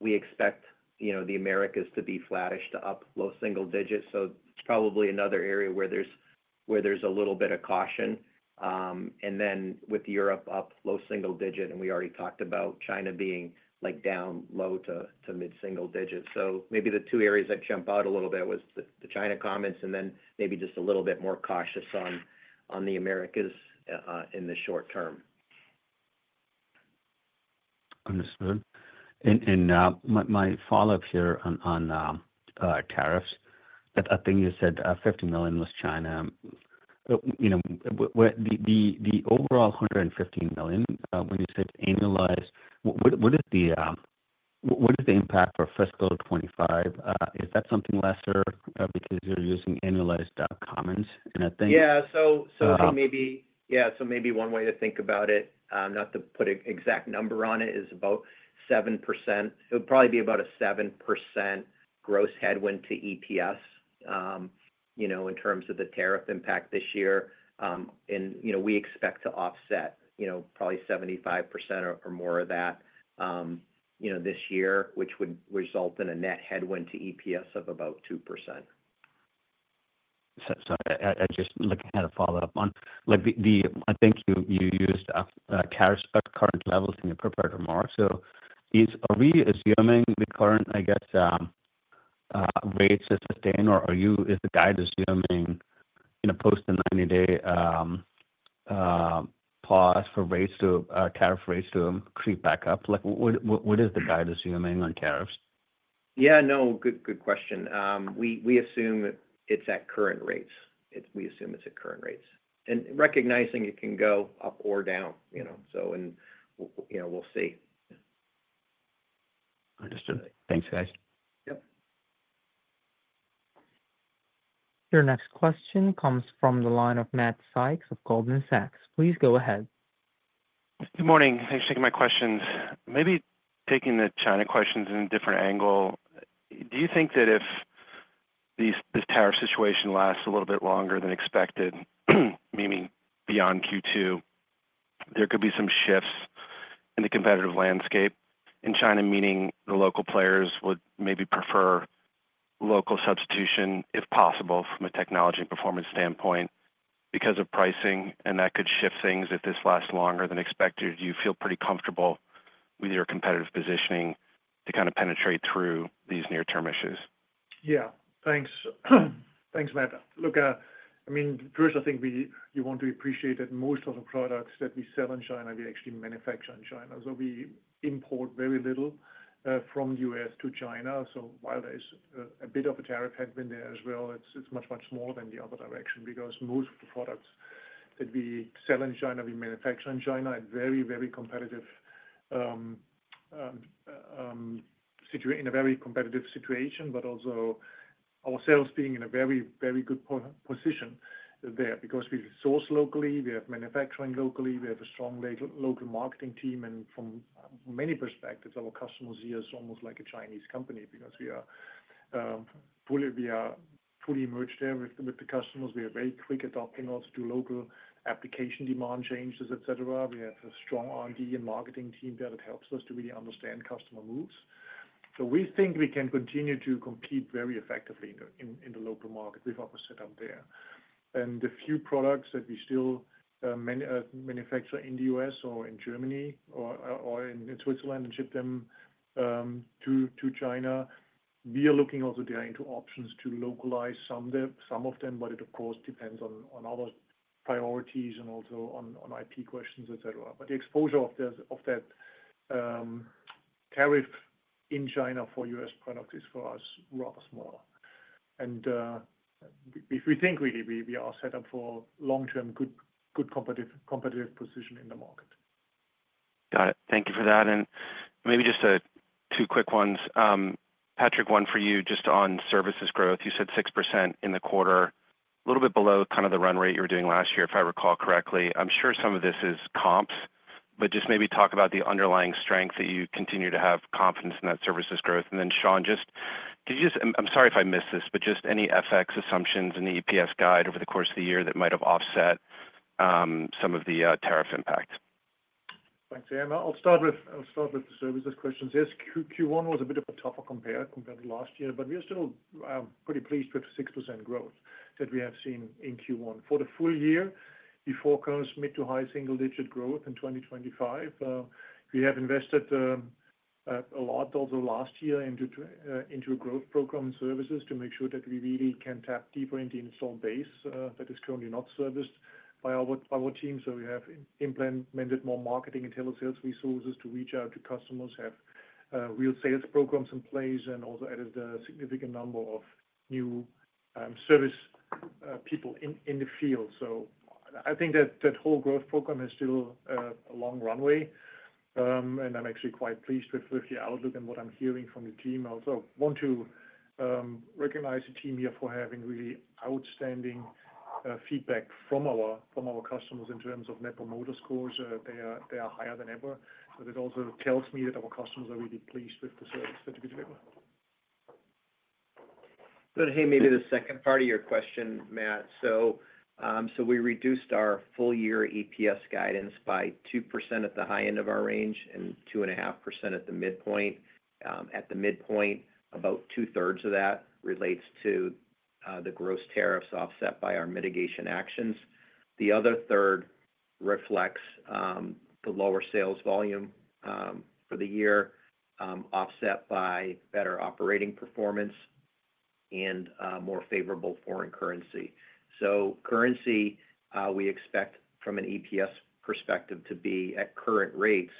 we expect the Americas to be flattish to up low single digit. It's probably another area where there's a little bit of caution. With Europe up low single digit, and we already talked about China being down low to mid-single digit. Maybe the two areas that jump out a little bit was the China comments and then maybe just a little bit more cautious on the Americas in the short term. Understood. My follow-up here on tariffs, I think you said $50 million was China. The overall $115 million, when you said annualized, what is the impact for fiscal 2025? Is that something lesser because you're using annualized comments? I think. Yeah. I think maybe one way to think about it, not to put an exact number on it, is about 7%. It would probably be about a 7% gross headwind to EPS in terms of the tariff impact this year. We expect to offset probably 75% or more of that this year, which would result in a net headwind to EPS of about 2%. Sorry. I just had a follow-up on. I think you used current levels in your prepared remarks. Are we assuming the current, I guess, rates to sustain, or is the guide assuming post the 90-day pause for tariff rates to creep back up? What is the guide assuming on tariffs? Yeah. No. Good question. We assume it's at current rates. We assume it's at current rates. Recognizing it can go up or down. We'll see. Understood. Thanks, guys. Yep. Your next question comes from the line of Matt Sykes of Goldman Sachs. Please go ahead. Good morning. Thanks for taking my questions. Maybe taking the China questions in a different angle. Do you think that if this tariff situation lasts a little bit longer than expected, meaning beyond Q2, there could be some shifts in the competitive landscape in China, meaning the local players would maybe prefer local substitution, if possible, from a technology and performance standpoint because of pricing, and that could shift things if this lasts longer than expected? Do you feel pretty comfortable with your competitive positioning to kind of penetrate through these near-term issues? Yeah. Thanks. Thanks, Matt. Look, I mean, first, I think you want to appreciate that most of the products that we sell in China, we actually manufacture in China. We import very little from the U.S. to China. While there is a bit of a tariff headwind there as well, it is much, much smaller than the other direction because most of the products that we sell in China, we manufacture in China. It is very, very competitive in a very competitive situation, but also ourselves being in a very, very good position there because we source locally. We have manufacturing locally. We have a strong local marketing team. From many perspectives, our customers here are almost like a Chinese company because we are fully merged there with the customers. We are very quick adopting also to local application demand changes, etc. We have a strong R&D and marketing team there that helps us to really understand customer moves. We think we can continue to compete very effectively in the local market with our setup there. The few products that we still manufacture in the US or in Germany or in Switzerland and ship them to China, we are looking also there into options to localize some of them, but it, of course, depends on other priorities and also on IP questions, etc. The exposure of that tariff in China for US products is, for us, rather small. If we think really, we are set up for long-term good competitive position in the market. Got it. Thank you for that. Maybe just two quick ones. Patrick, one for you just on services growth. You said 6% in the quarter, a little bit below kind of the run rate you were doing last year, if I recall correctly. I'm sure some of this is comps, but just maybe talk about the underlying strength that you continue to have confidence in that services growth. Then, Shawn, could you just—I'm sorry if I missed this—but just any FX assumptions in the EPS guide over the course of the year that might have offset some of the tariff impact? Thanks, Sam. I'll start with the services questions. Yes, Q1 was a bit tougher compared to last year, but we are still pretty pleased with the 6% growth that we have seen in Q1. For the full year, we forecast mid to high single-digit growth in 2025. We have invested a lot also last year into a growth program in services to make sure that we really can tap deeper into installed base that is currently not serviced by our team. We have implemented more marketing and telesales resources to reach out to customers, have real sales programs in place, and also added a significant number of new service people in the field. I think that whole growth program has still a long runway. I'm actually quite pleased with the outlook and what I'm hearing from the team. I also want to recognize the team here for having really outstanding feedback from our customers in terms of net promoter scores. They are higher than ever. That also tells me that our customers are really pleased with the service that we deliver. Maybe the second part of your question, Matt. We reduced our full-year EPS guidance by 2% at the high end of our range and 2.5% at the midpoint. At the midpoint, about two-thirds of that relates to the gross tariffs offset by our mitigation actions. The other third reflects the lower sales volume for the year, offset by better operating performance and more favorable foreign currency. Currency, we expect from an EPS perspective to be at current rates,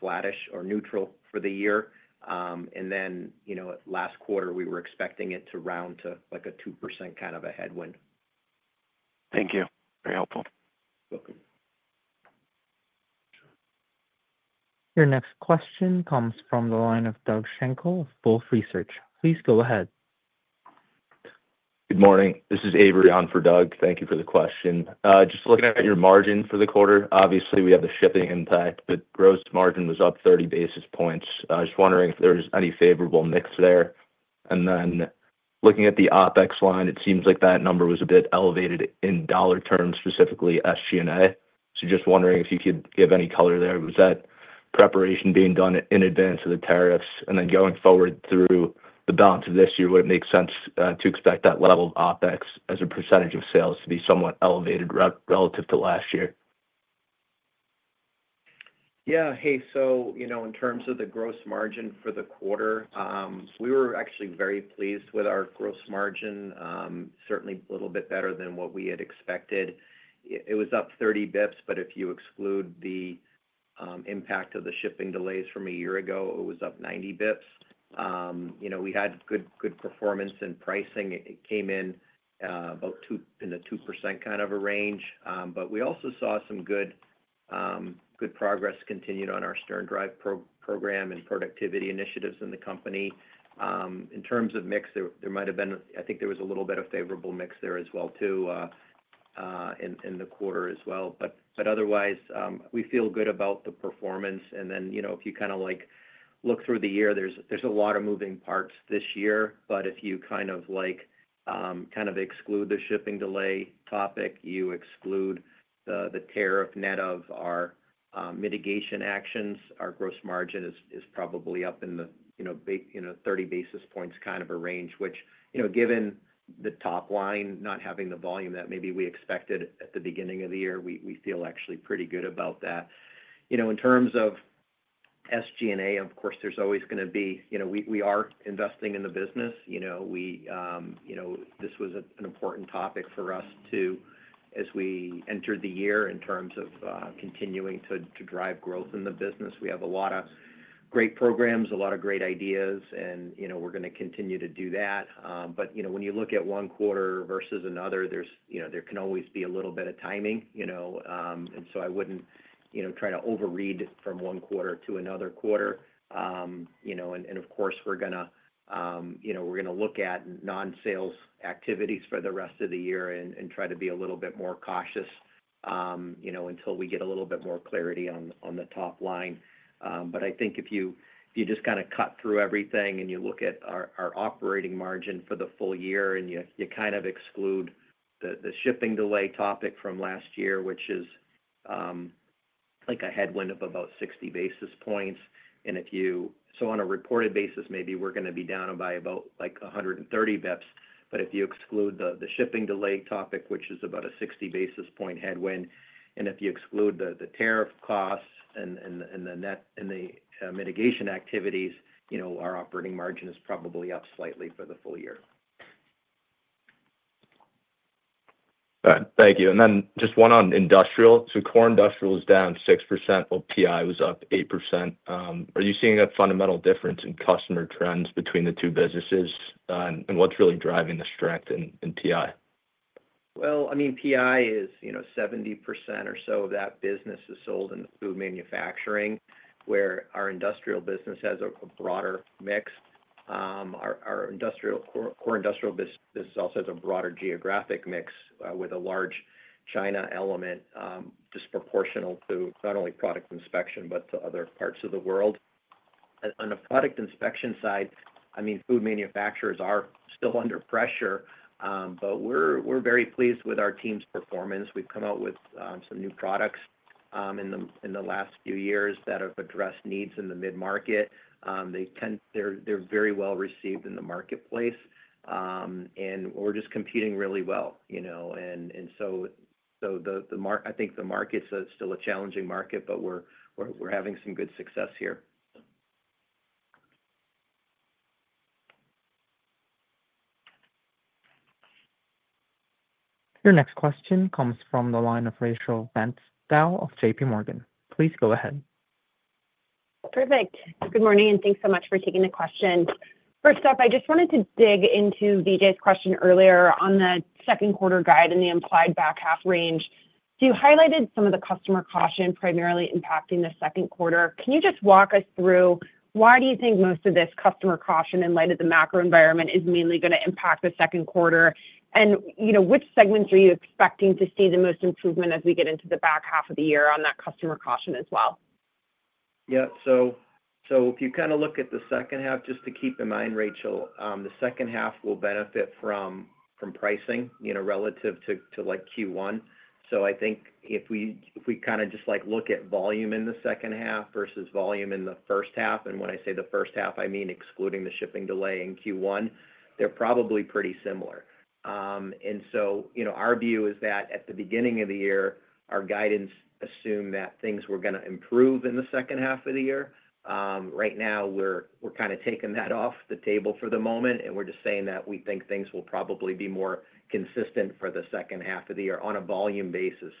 flattish or neutral for the year. Last quarter, we were expecting it to round to like a 2% kind of a headwind. Thank you. Very helpful. Your next question comes from the line of Doug Shankle of Wolfe Research. Please go ahead. Good morning. This is Avery on for Doug. Thank you for the question. Just looking at your margin for the quarter, obviously, we have the shipping impact, but gross margin was up 30 basis points. I was just wondering if there was any favorable mix there. Just looking at the OPEX line, it seems like that number was a bit elevated in dollar terms, specifically SG&A. Just wondering if you could give any color there. Was that preparation being done in advance of the tariffs? Going forward through the balance of this year, would it make sense to expect that level of OPEX as a percentage of sales to be somewhat elevated relative to last year? Yeah. Hey, so in terms of the gross margin for the quarter, we were actually very pleased with our gross margin, certainly a little bit better than what we had expected. It was up 30 basis points, but if you exclude the impact of the shipping delays from a year ago, it was up 90 basis points. We had good performance in pricing. It came in about in the 2% kind of a range. We also saw some good progress continued on our Stern Drive program and productivity initiatives in the company. In terms of mix, there might have been—I think there was a little bit of favorable mix there as well too in the quarter as well. Otherwise, we feel good about the performance. If you kind of look through the year, there's a lot of moving parts this year. If you kind of exclude the shipping delay topic, you exclude the tariff net of our mitigation actions, our gross margin is probably up in the 30 basis points kind of a range, which given the top line not having the volume that maybe we expected at the beginning of the year, we feel actually pretty good about that. In terms of SG&A, of course, there is always going to be—we are investing in the business. This was an important topic for us too as we entered the year in terms of continuing to drive growth in the business. We have a lot of great programs, a lot of great ideas, and we are going to continue to do that. When you look at one quarter versus another, there can always be a little bit of timing. I would not try to overread from one quarter to another quarter. Of course, we are going to look at non-sales activities for the rest of the year and try to be a little bit more cautious until we get a little bit more clarity on the top line. I think if you just kind of cut through everything and you look at our operating margin for the full year and you kind of exclude the shipping delay topic from last year, which is like a headwind of about 60 basis points. On a reported basis, maybe we are going to be down by about 130 basis points. If you exclude the shipping delay topic, which is about a 60 basis point headwind, and if you exclude the tariff costs and the mitigation activities, our operating margin is probably up slightly for the full year. Thank you. Just one on industrial. Core industrial is down 6%, while PI was up 8%. Are you seeing a fundamental difference in customer trends between the two businesses, and what's really driving the strength in PI? PI is 70% or so of that business is sold in food manufacturing, where our industrial business has a broader mix. Our core industrial business also has a broader geographic mix with a large China element disproportional to not only product inspection, but to other parts of the world. On the product inspection side, I mean, food manufacturers are still under pressure, but we're very pleased with our team's performance. We've come out with some new products in the last few years that have addressed needs in the mid-market. They're very well received in the marketplace, and we're just competing really well. I think the market's still a challenging market, but we're having some good success here. Your next question comes from the line of Rachel Vatnsdal of JPMorgan. Please go ahead. Perfect. Good morning, and thanks so much for taking the question. First off, I just wanted to dig into Vijay's question earlier on the second quarter guide and the implied back half range. You highlighted some of the customer caution primarily impacting the second quarter. Can you just walk us through why you think most of this customer caution in light of the macro environment is mainly going to impact the second quarter? Which segments are you expecting to see the most improvement as we get into the back half of the year on that customer caution as well? Yeah. If you kind of look at the second half, just to keep in mind, Rachel, the second half will benefit from pricing relative to Q1. I think if we kind of just look at volume in the second half versus volume in the first half—and when I say the first half, I mean excluding the shipping delay in Q1—they're probably pretty similar. Our view is that at the beginning of the year, our guidance assumed that things were going to improve in the second half of the year. Right now, we're kind of taking that off the table for the moment, and we're just saying that we think things will probably be more consistent for the second half of the year on a volume basis.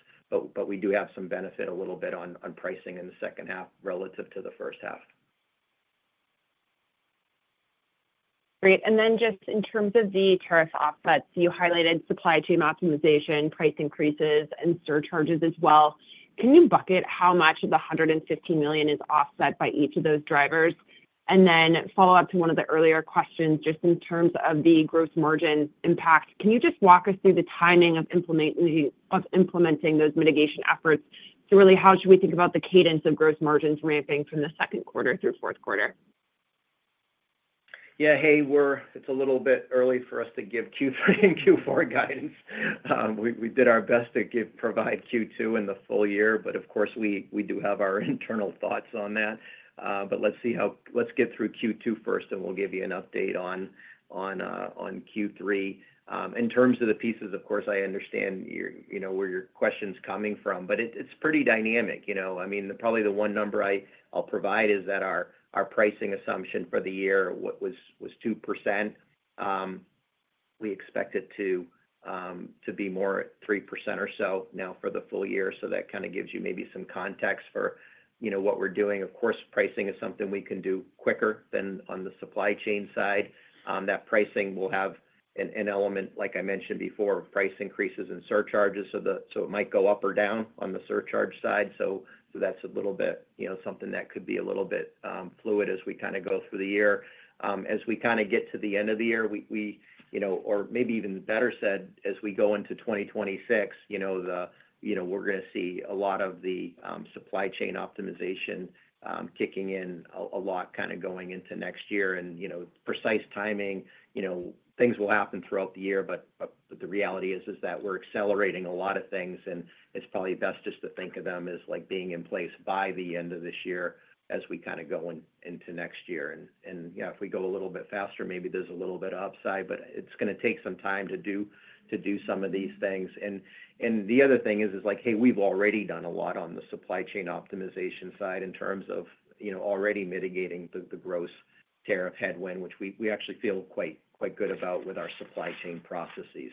We do have some benefit a little bit on pricing in the second half relative to the first half. Great. Just in terms of the tariff offsets, you highlighted supply chain optimization, price increases, and surcharges as well. Can you bucket how much of the $150 million is offset by each of those drivers? Follow up to one of the earlier questions, just in terms of the gross margin impact, can you just walk us through the timing of implementing those mitigation efforts? Really, how should we think about the cadence of gross margins ramping from the second quarter through fourth quarter? Yeah. Hey, it's a little bit early for us to give Q3 and Q4 guidance. We did our best to provide Q2 and the full year, but of course, we do have our internal thoughts on that. Let's see how—let's get through Q2 first, and we'll give you an update on Q3. In terms of the pieces, of course, I understand where your question's coming from, but it's pretty dynamic. I mean, probably the one number I'll provide is that our pricing assumption for the year was 2%. We expect it to be more at 3% or so now for the full year. That kind of gives you maybe some context for what we're doing. Of course, pricing is something we can do quicker than on the supply chain side. That pricing will have an element, like I mentioned before, of price increases and surcharges. It might go up or down on the surcharge side. That is a little bit something that could be a little bit fluid as we kind of go through the year. As we kind of get to the end of the year, or maybe even better said, as we go into 2026, we are going to see a lot of the supply chain optimization kicking in, a lot kind of going into next year. Precise timing, things will happen throughout the year, but the reality is that we are accelerating a lot of things. It is probably best just to think of them as being in place by the end of this year as we kind of go into next year. If we go a little bit faster, maybe there is a little bit of upside, but it is going to take some time to do some of these things. The other thing is, hey, we've already done a lot on the supply chain optimization side in terms of already mitigating the gross tariff headwind, which we actually feel quite good about with our supply chain processes.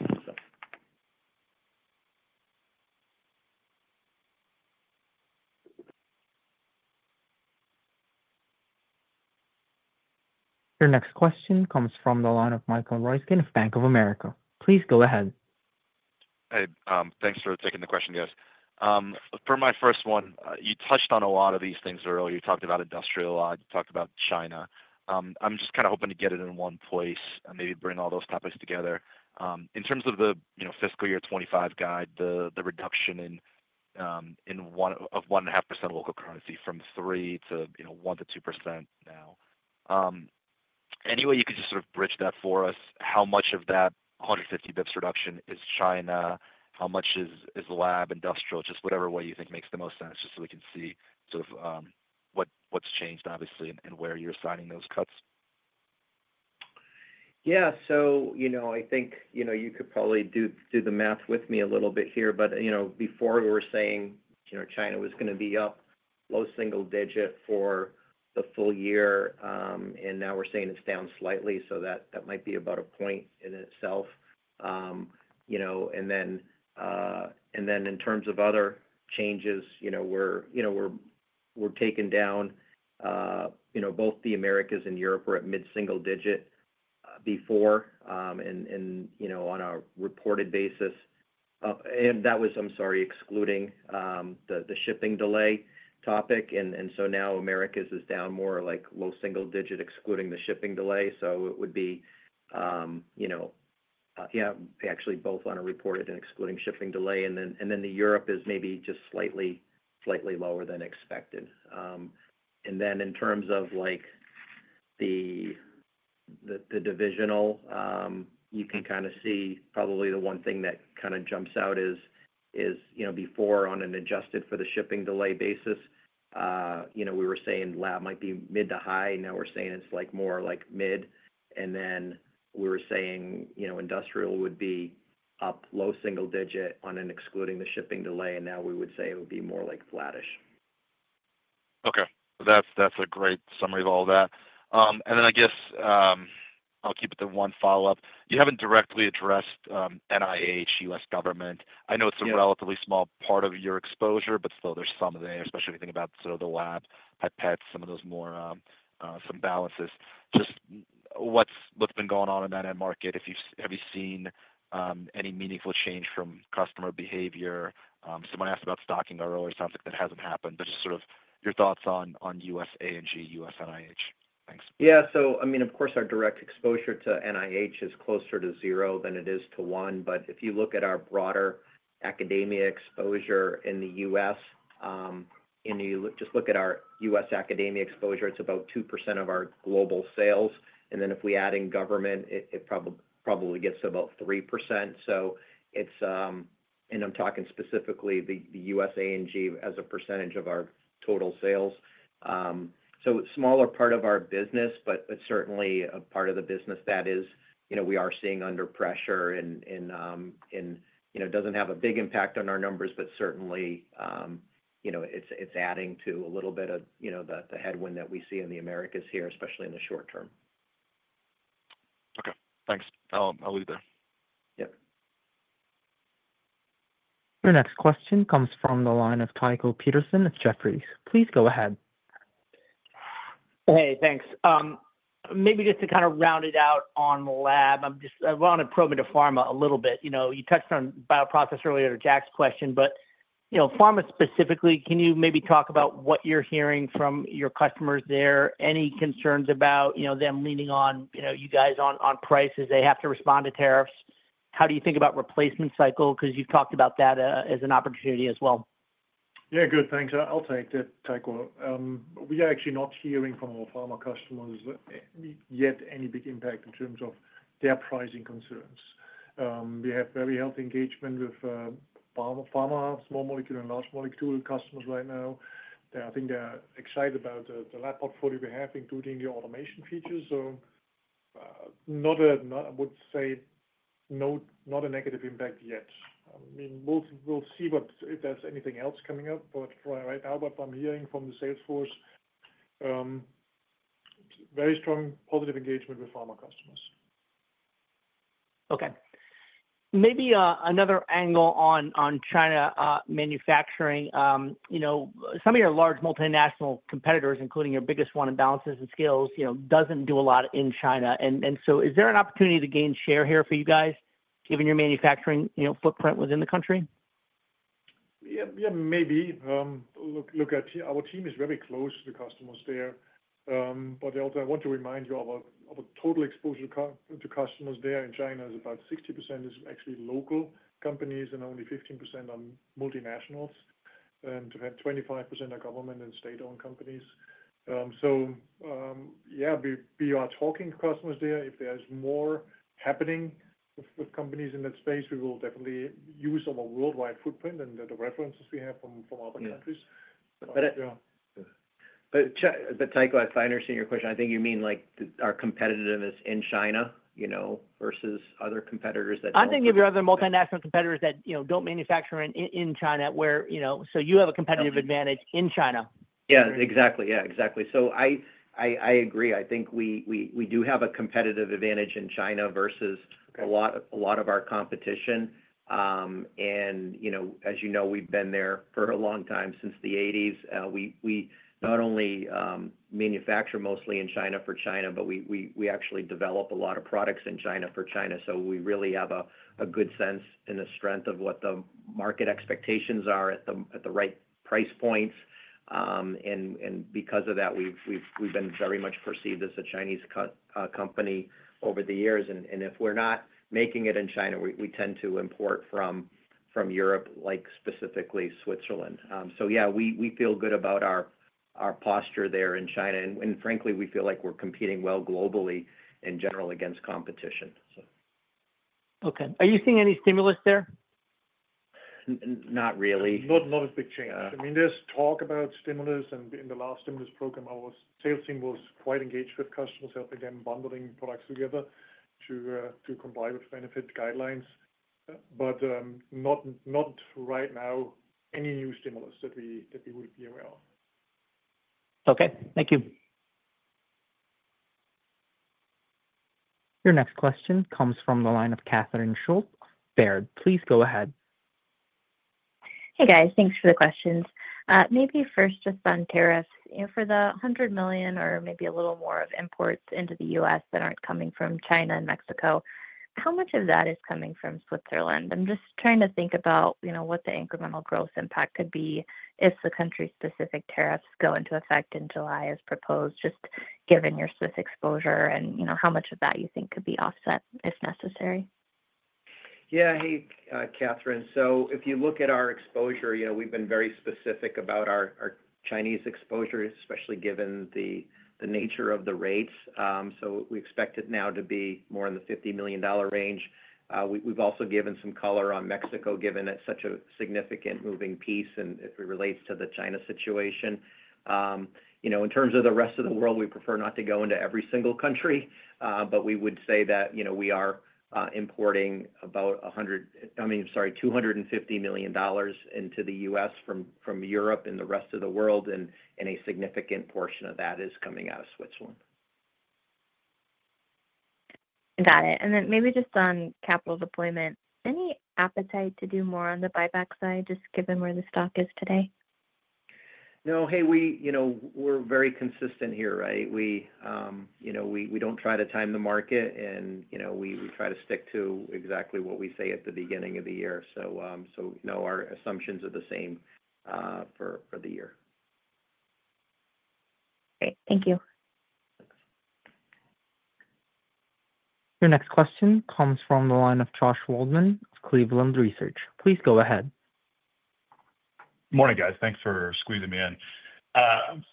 Your next question comes from the line of Michael Ryskin of Bank of America. Please go ahead. Hey, thanks for taking the question, guys. For my first one, you touched on a lot of these things earlier. You talked about industrial a lot. You talked about China. I'm just kind of hoping to get it in one place and maybe bring all those topics together. In terms of the fiscal year 2025 guide, the reduction of 1.5% local currency from 3% to 1-2% now, any way you could just sort of bridge that for us? How much of that 150 basis points reduction is China? How much is lab industrial? Just whatever way you think makes the most sense, just so we can see sort of what's changed, obviously, and where you're assigning those cuts. Yeah. I think you could probably do the math with me a little bit here. Before we were saying China was going to be up low single digit for the full year, and now we're saying it's down slightly. That might be about a point in itself. In terms of other changes, we're taking down both the Americas and Europe. We were at mid-single digit before on a reported basis. That was, I'm sorry, excluding the shipping delay topic. Now Americas is down more like low single digit, excluding the shipping delay. It would be, yeah, actually both on a reported and excluding shipping delay. Europe is maybe just slightly lower than expected. In terms of the divisional, you can kind of see probably the one thing that kind of jumps out is before on an adjusted for the shipping delay basis, we were saying lab might be mid to high. Now we're saying it's more like mid. We were saying industrial would be up low single digit on an excluding the shipping delay. Now we would say it would be more like flattish. Okay. That's a great summary of all that. I guess I'll keep it to one follow-up. You haven't directly addressed NIH, U.S. government. I know it's a relatively small part of your exposure, but still there's some there, especially if you think about sort of the lab, high pets, some of those more, some balances. Just what's been going on in that end market? Have you seen any meaningful change from customer behavior? Someone asked about stocking earlier. It sounds like that hasn't happened. Just sort of your thoughts on U.S.A. and G, U.S. NIH. Thanks. Yeah. I mean, of course, our direct exposure to NIH is closer to zero than it is to one. If you look at our broader academia exposure in the U.S., and you just look at our U.S. academia exposure, it's about 2% of our global sales. If we add in government, it probably gets to about 3%. I'm talking specifically the U.S. A&G as a percentage of our total sales. Smaller part of our business, but certainly a part of the business that we are seeing under pressure and does not have a big impact on our numbers, but certainly it's adding to a little bit of the headwind that we see in the Americas here, especially in the short term. Okay. Thanks. I'll leave there. Yep. Your next question comes from the line of Tycho Peterson of Jefferies. Please go ahead. Hey, thanks. Maybe just to kind of round it out on the lab, I want to probe into pharma a little bit. You touched on bioprocess earlier to Jack's question, but pharma specifically, can you maybe talk about what you're hearing from your customers there? Any concerns about them leaning on you guys on prices? They have to respond to tariffs. How do you think about replacement cycle? Because you've talked about that as an opportunity as well. Yeah, good. Thanks. I'll take that, Tycho. We are actually not hearing from our pharma customers yet any big impact in terms of their pricing concerns. We have very healthy engagement with pharma, small molecule, and large molecule customers right now. I think they're excited about the lab portfolio we have, including the automation features. I would say not a negative impact yet. I mean, we'll see if there's anything else coming up, but right now, what I'm hearing from the sales force, very strong positive engagement with pharma customers. Okay. Maybe another angle on China manufacturing. Some of your large multinational competitors, including your biggest one in Balances and Scales, does not do a lot in China. Is there an opportunity to gain share here for you guys, given your manufacturing footprint within the country? Yeah, maybe. Look, our team is very close to the customers there. I want to remind you our total exposure to customers there in China is about 60% is actually local companies and only 15% are multinationals. 25% are government and state-owned companies. Yeah, we are talking to customers there. If there's more happening with companies in that space, we will definitely use our worldwide footprint and the references we have from other countries. Tycho, if I understand your question, I think you mean our competitiveness in China versus other competitors that do not. I think if you have the multinational competitors that don't manufacture in China, you have a competitive advantage in China. Yeah, exactly. I agree. I think we do have a competitive advantage in China versus a lot of our competition. And as you know, we've been there for a long time, since the 1980s. We not only manufacture mostly in China for China, but we actually develop a lot of products in China for China. We really have a good sense and a strength of what the market expectations are at the right price points. Because of that, we've been very much perceived as a Chinese company over the years. If we're not making it in China, we tend to import from Europe, specifically Switzerland. We feel good about our posture there in China. Frankly, we feel like we're competing well globally in general against competition. Okay. Are you seeing any stimulus there? Not really. Not a big change. I mean, there's talk about stimulus. In the last stimulus program, our sales team was quite engaged with customers, helping them bundling products together to comply with benefit guidelines. Not right now, any new stimulus that we would be aware of. Okay. Thank you. Your next question comes from the line of Catherine Schulte. Please go ahead. Hey, guys. Thanks for the questions. Maybe first just on tariffs. For the $100 million or maybe a little more of imports into the U.S. that are not coming from China and Mexico, how much of that is coming from Switzerland? I am just trying to think about what the incremental gross impact could be if the country-specific tariffs go into effect in July as proposed, just given your Swiss exposure, and how much of that you think could be offset if necessary. Yeah. Hey, Catherine. If you look at our exposure, we have been very specific about our Chinese exposure, especially given the nature of the rates. We expect it now to be more in the $50 million range. We have also given some color on Mexico, given it is such a significant moving piece and it relates to the China situation. In terms of the rest of the world, we prefer not to go into every single country, but we would say that we are importing about $250 million into the U.S. from Europe and the rest of the world, and a significant portion of that is coming out of Switzerland. Got it. Maybe just on capital deployment, any appetite to do more on the buyback side, just given where the stock is today? No. Hey, we're very consistent here, right? We don't try to time the market, and we try to stick to exactly what we say at the beginning of the year. Our assumptions are the same for the year. Great. Thank you. Your next question comes from the line of Josh Waldman of Cleveland Research. Please go ahead. Morning, guys. Thanks for squeezing me in.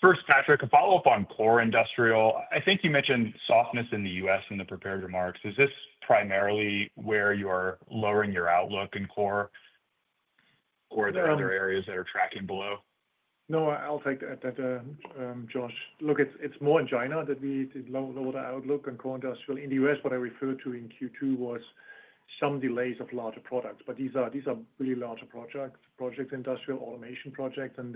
First, Patrick, a follow-up on core industrial. I think you mentioned softness in the U.S. in the prepared remarks. Is this primarily where you're lowering your outlook in core, or are there other areas that are tracking below? No, I'll take that, Josh. Look, it's more in China that we lower the outlook on core industrial. In the U.S., what I referred to in Q2 was some delays of larger products. These are really larger projects, industrial automation projects, and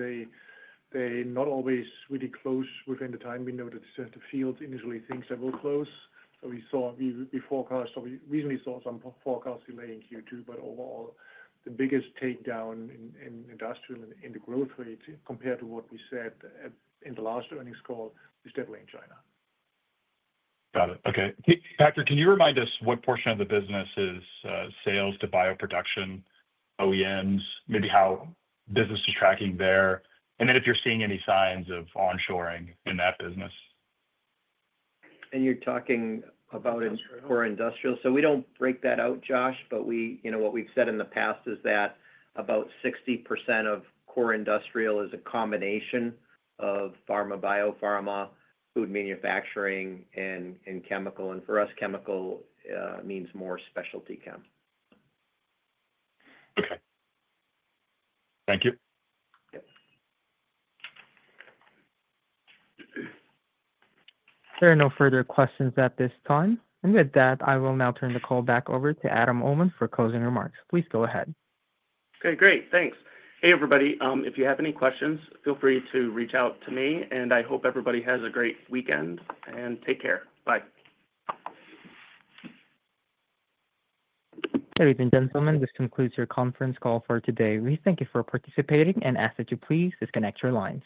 they're not always really close within the time window that the field initially thinks they will close. We forecast, or we recently saw some forecast delay in Q2, but overall, the biggest takedown in industrial and in the growth rates compared to what we said in the last earnings call is definitely in China. Got it. Okay. Patrick, can you remind us what portion of the business is sales to bio production, OEMs, maybe how business is tracking there, and then if you're seeing any signs of onshoring in that business? You're talking about core industrial? We do not break that out, Josh, but what we have said in the past is that about 60% of core industrial is a combination of pharma, biopharma, food manufacturing, and chemical. For us, chemical means more specialty chem. Okay. Thank you. Yep. There are no further questions at this time. I will now turn the call back over to Adam Uhlman for closing remarks. Please go ahead. Okay. Great. Thanks. Hey, everybody. If you have any questions, feel free to reach out to me. I hope everybody has a great weekend and take care. Bye. Ladies and gentlemen, this concludes your conference call for today. We thank you for participating and ask that you please disconnect your lines.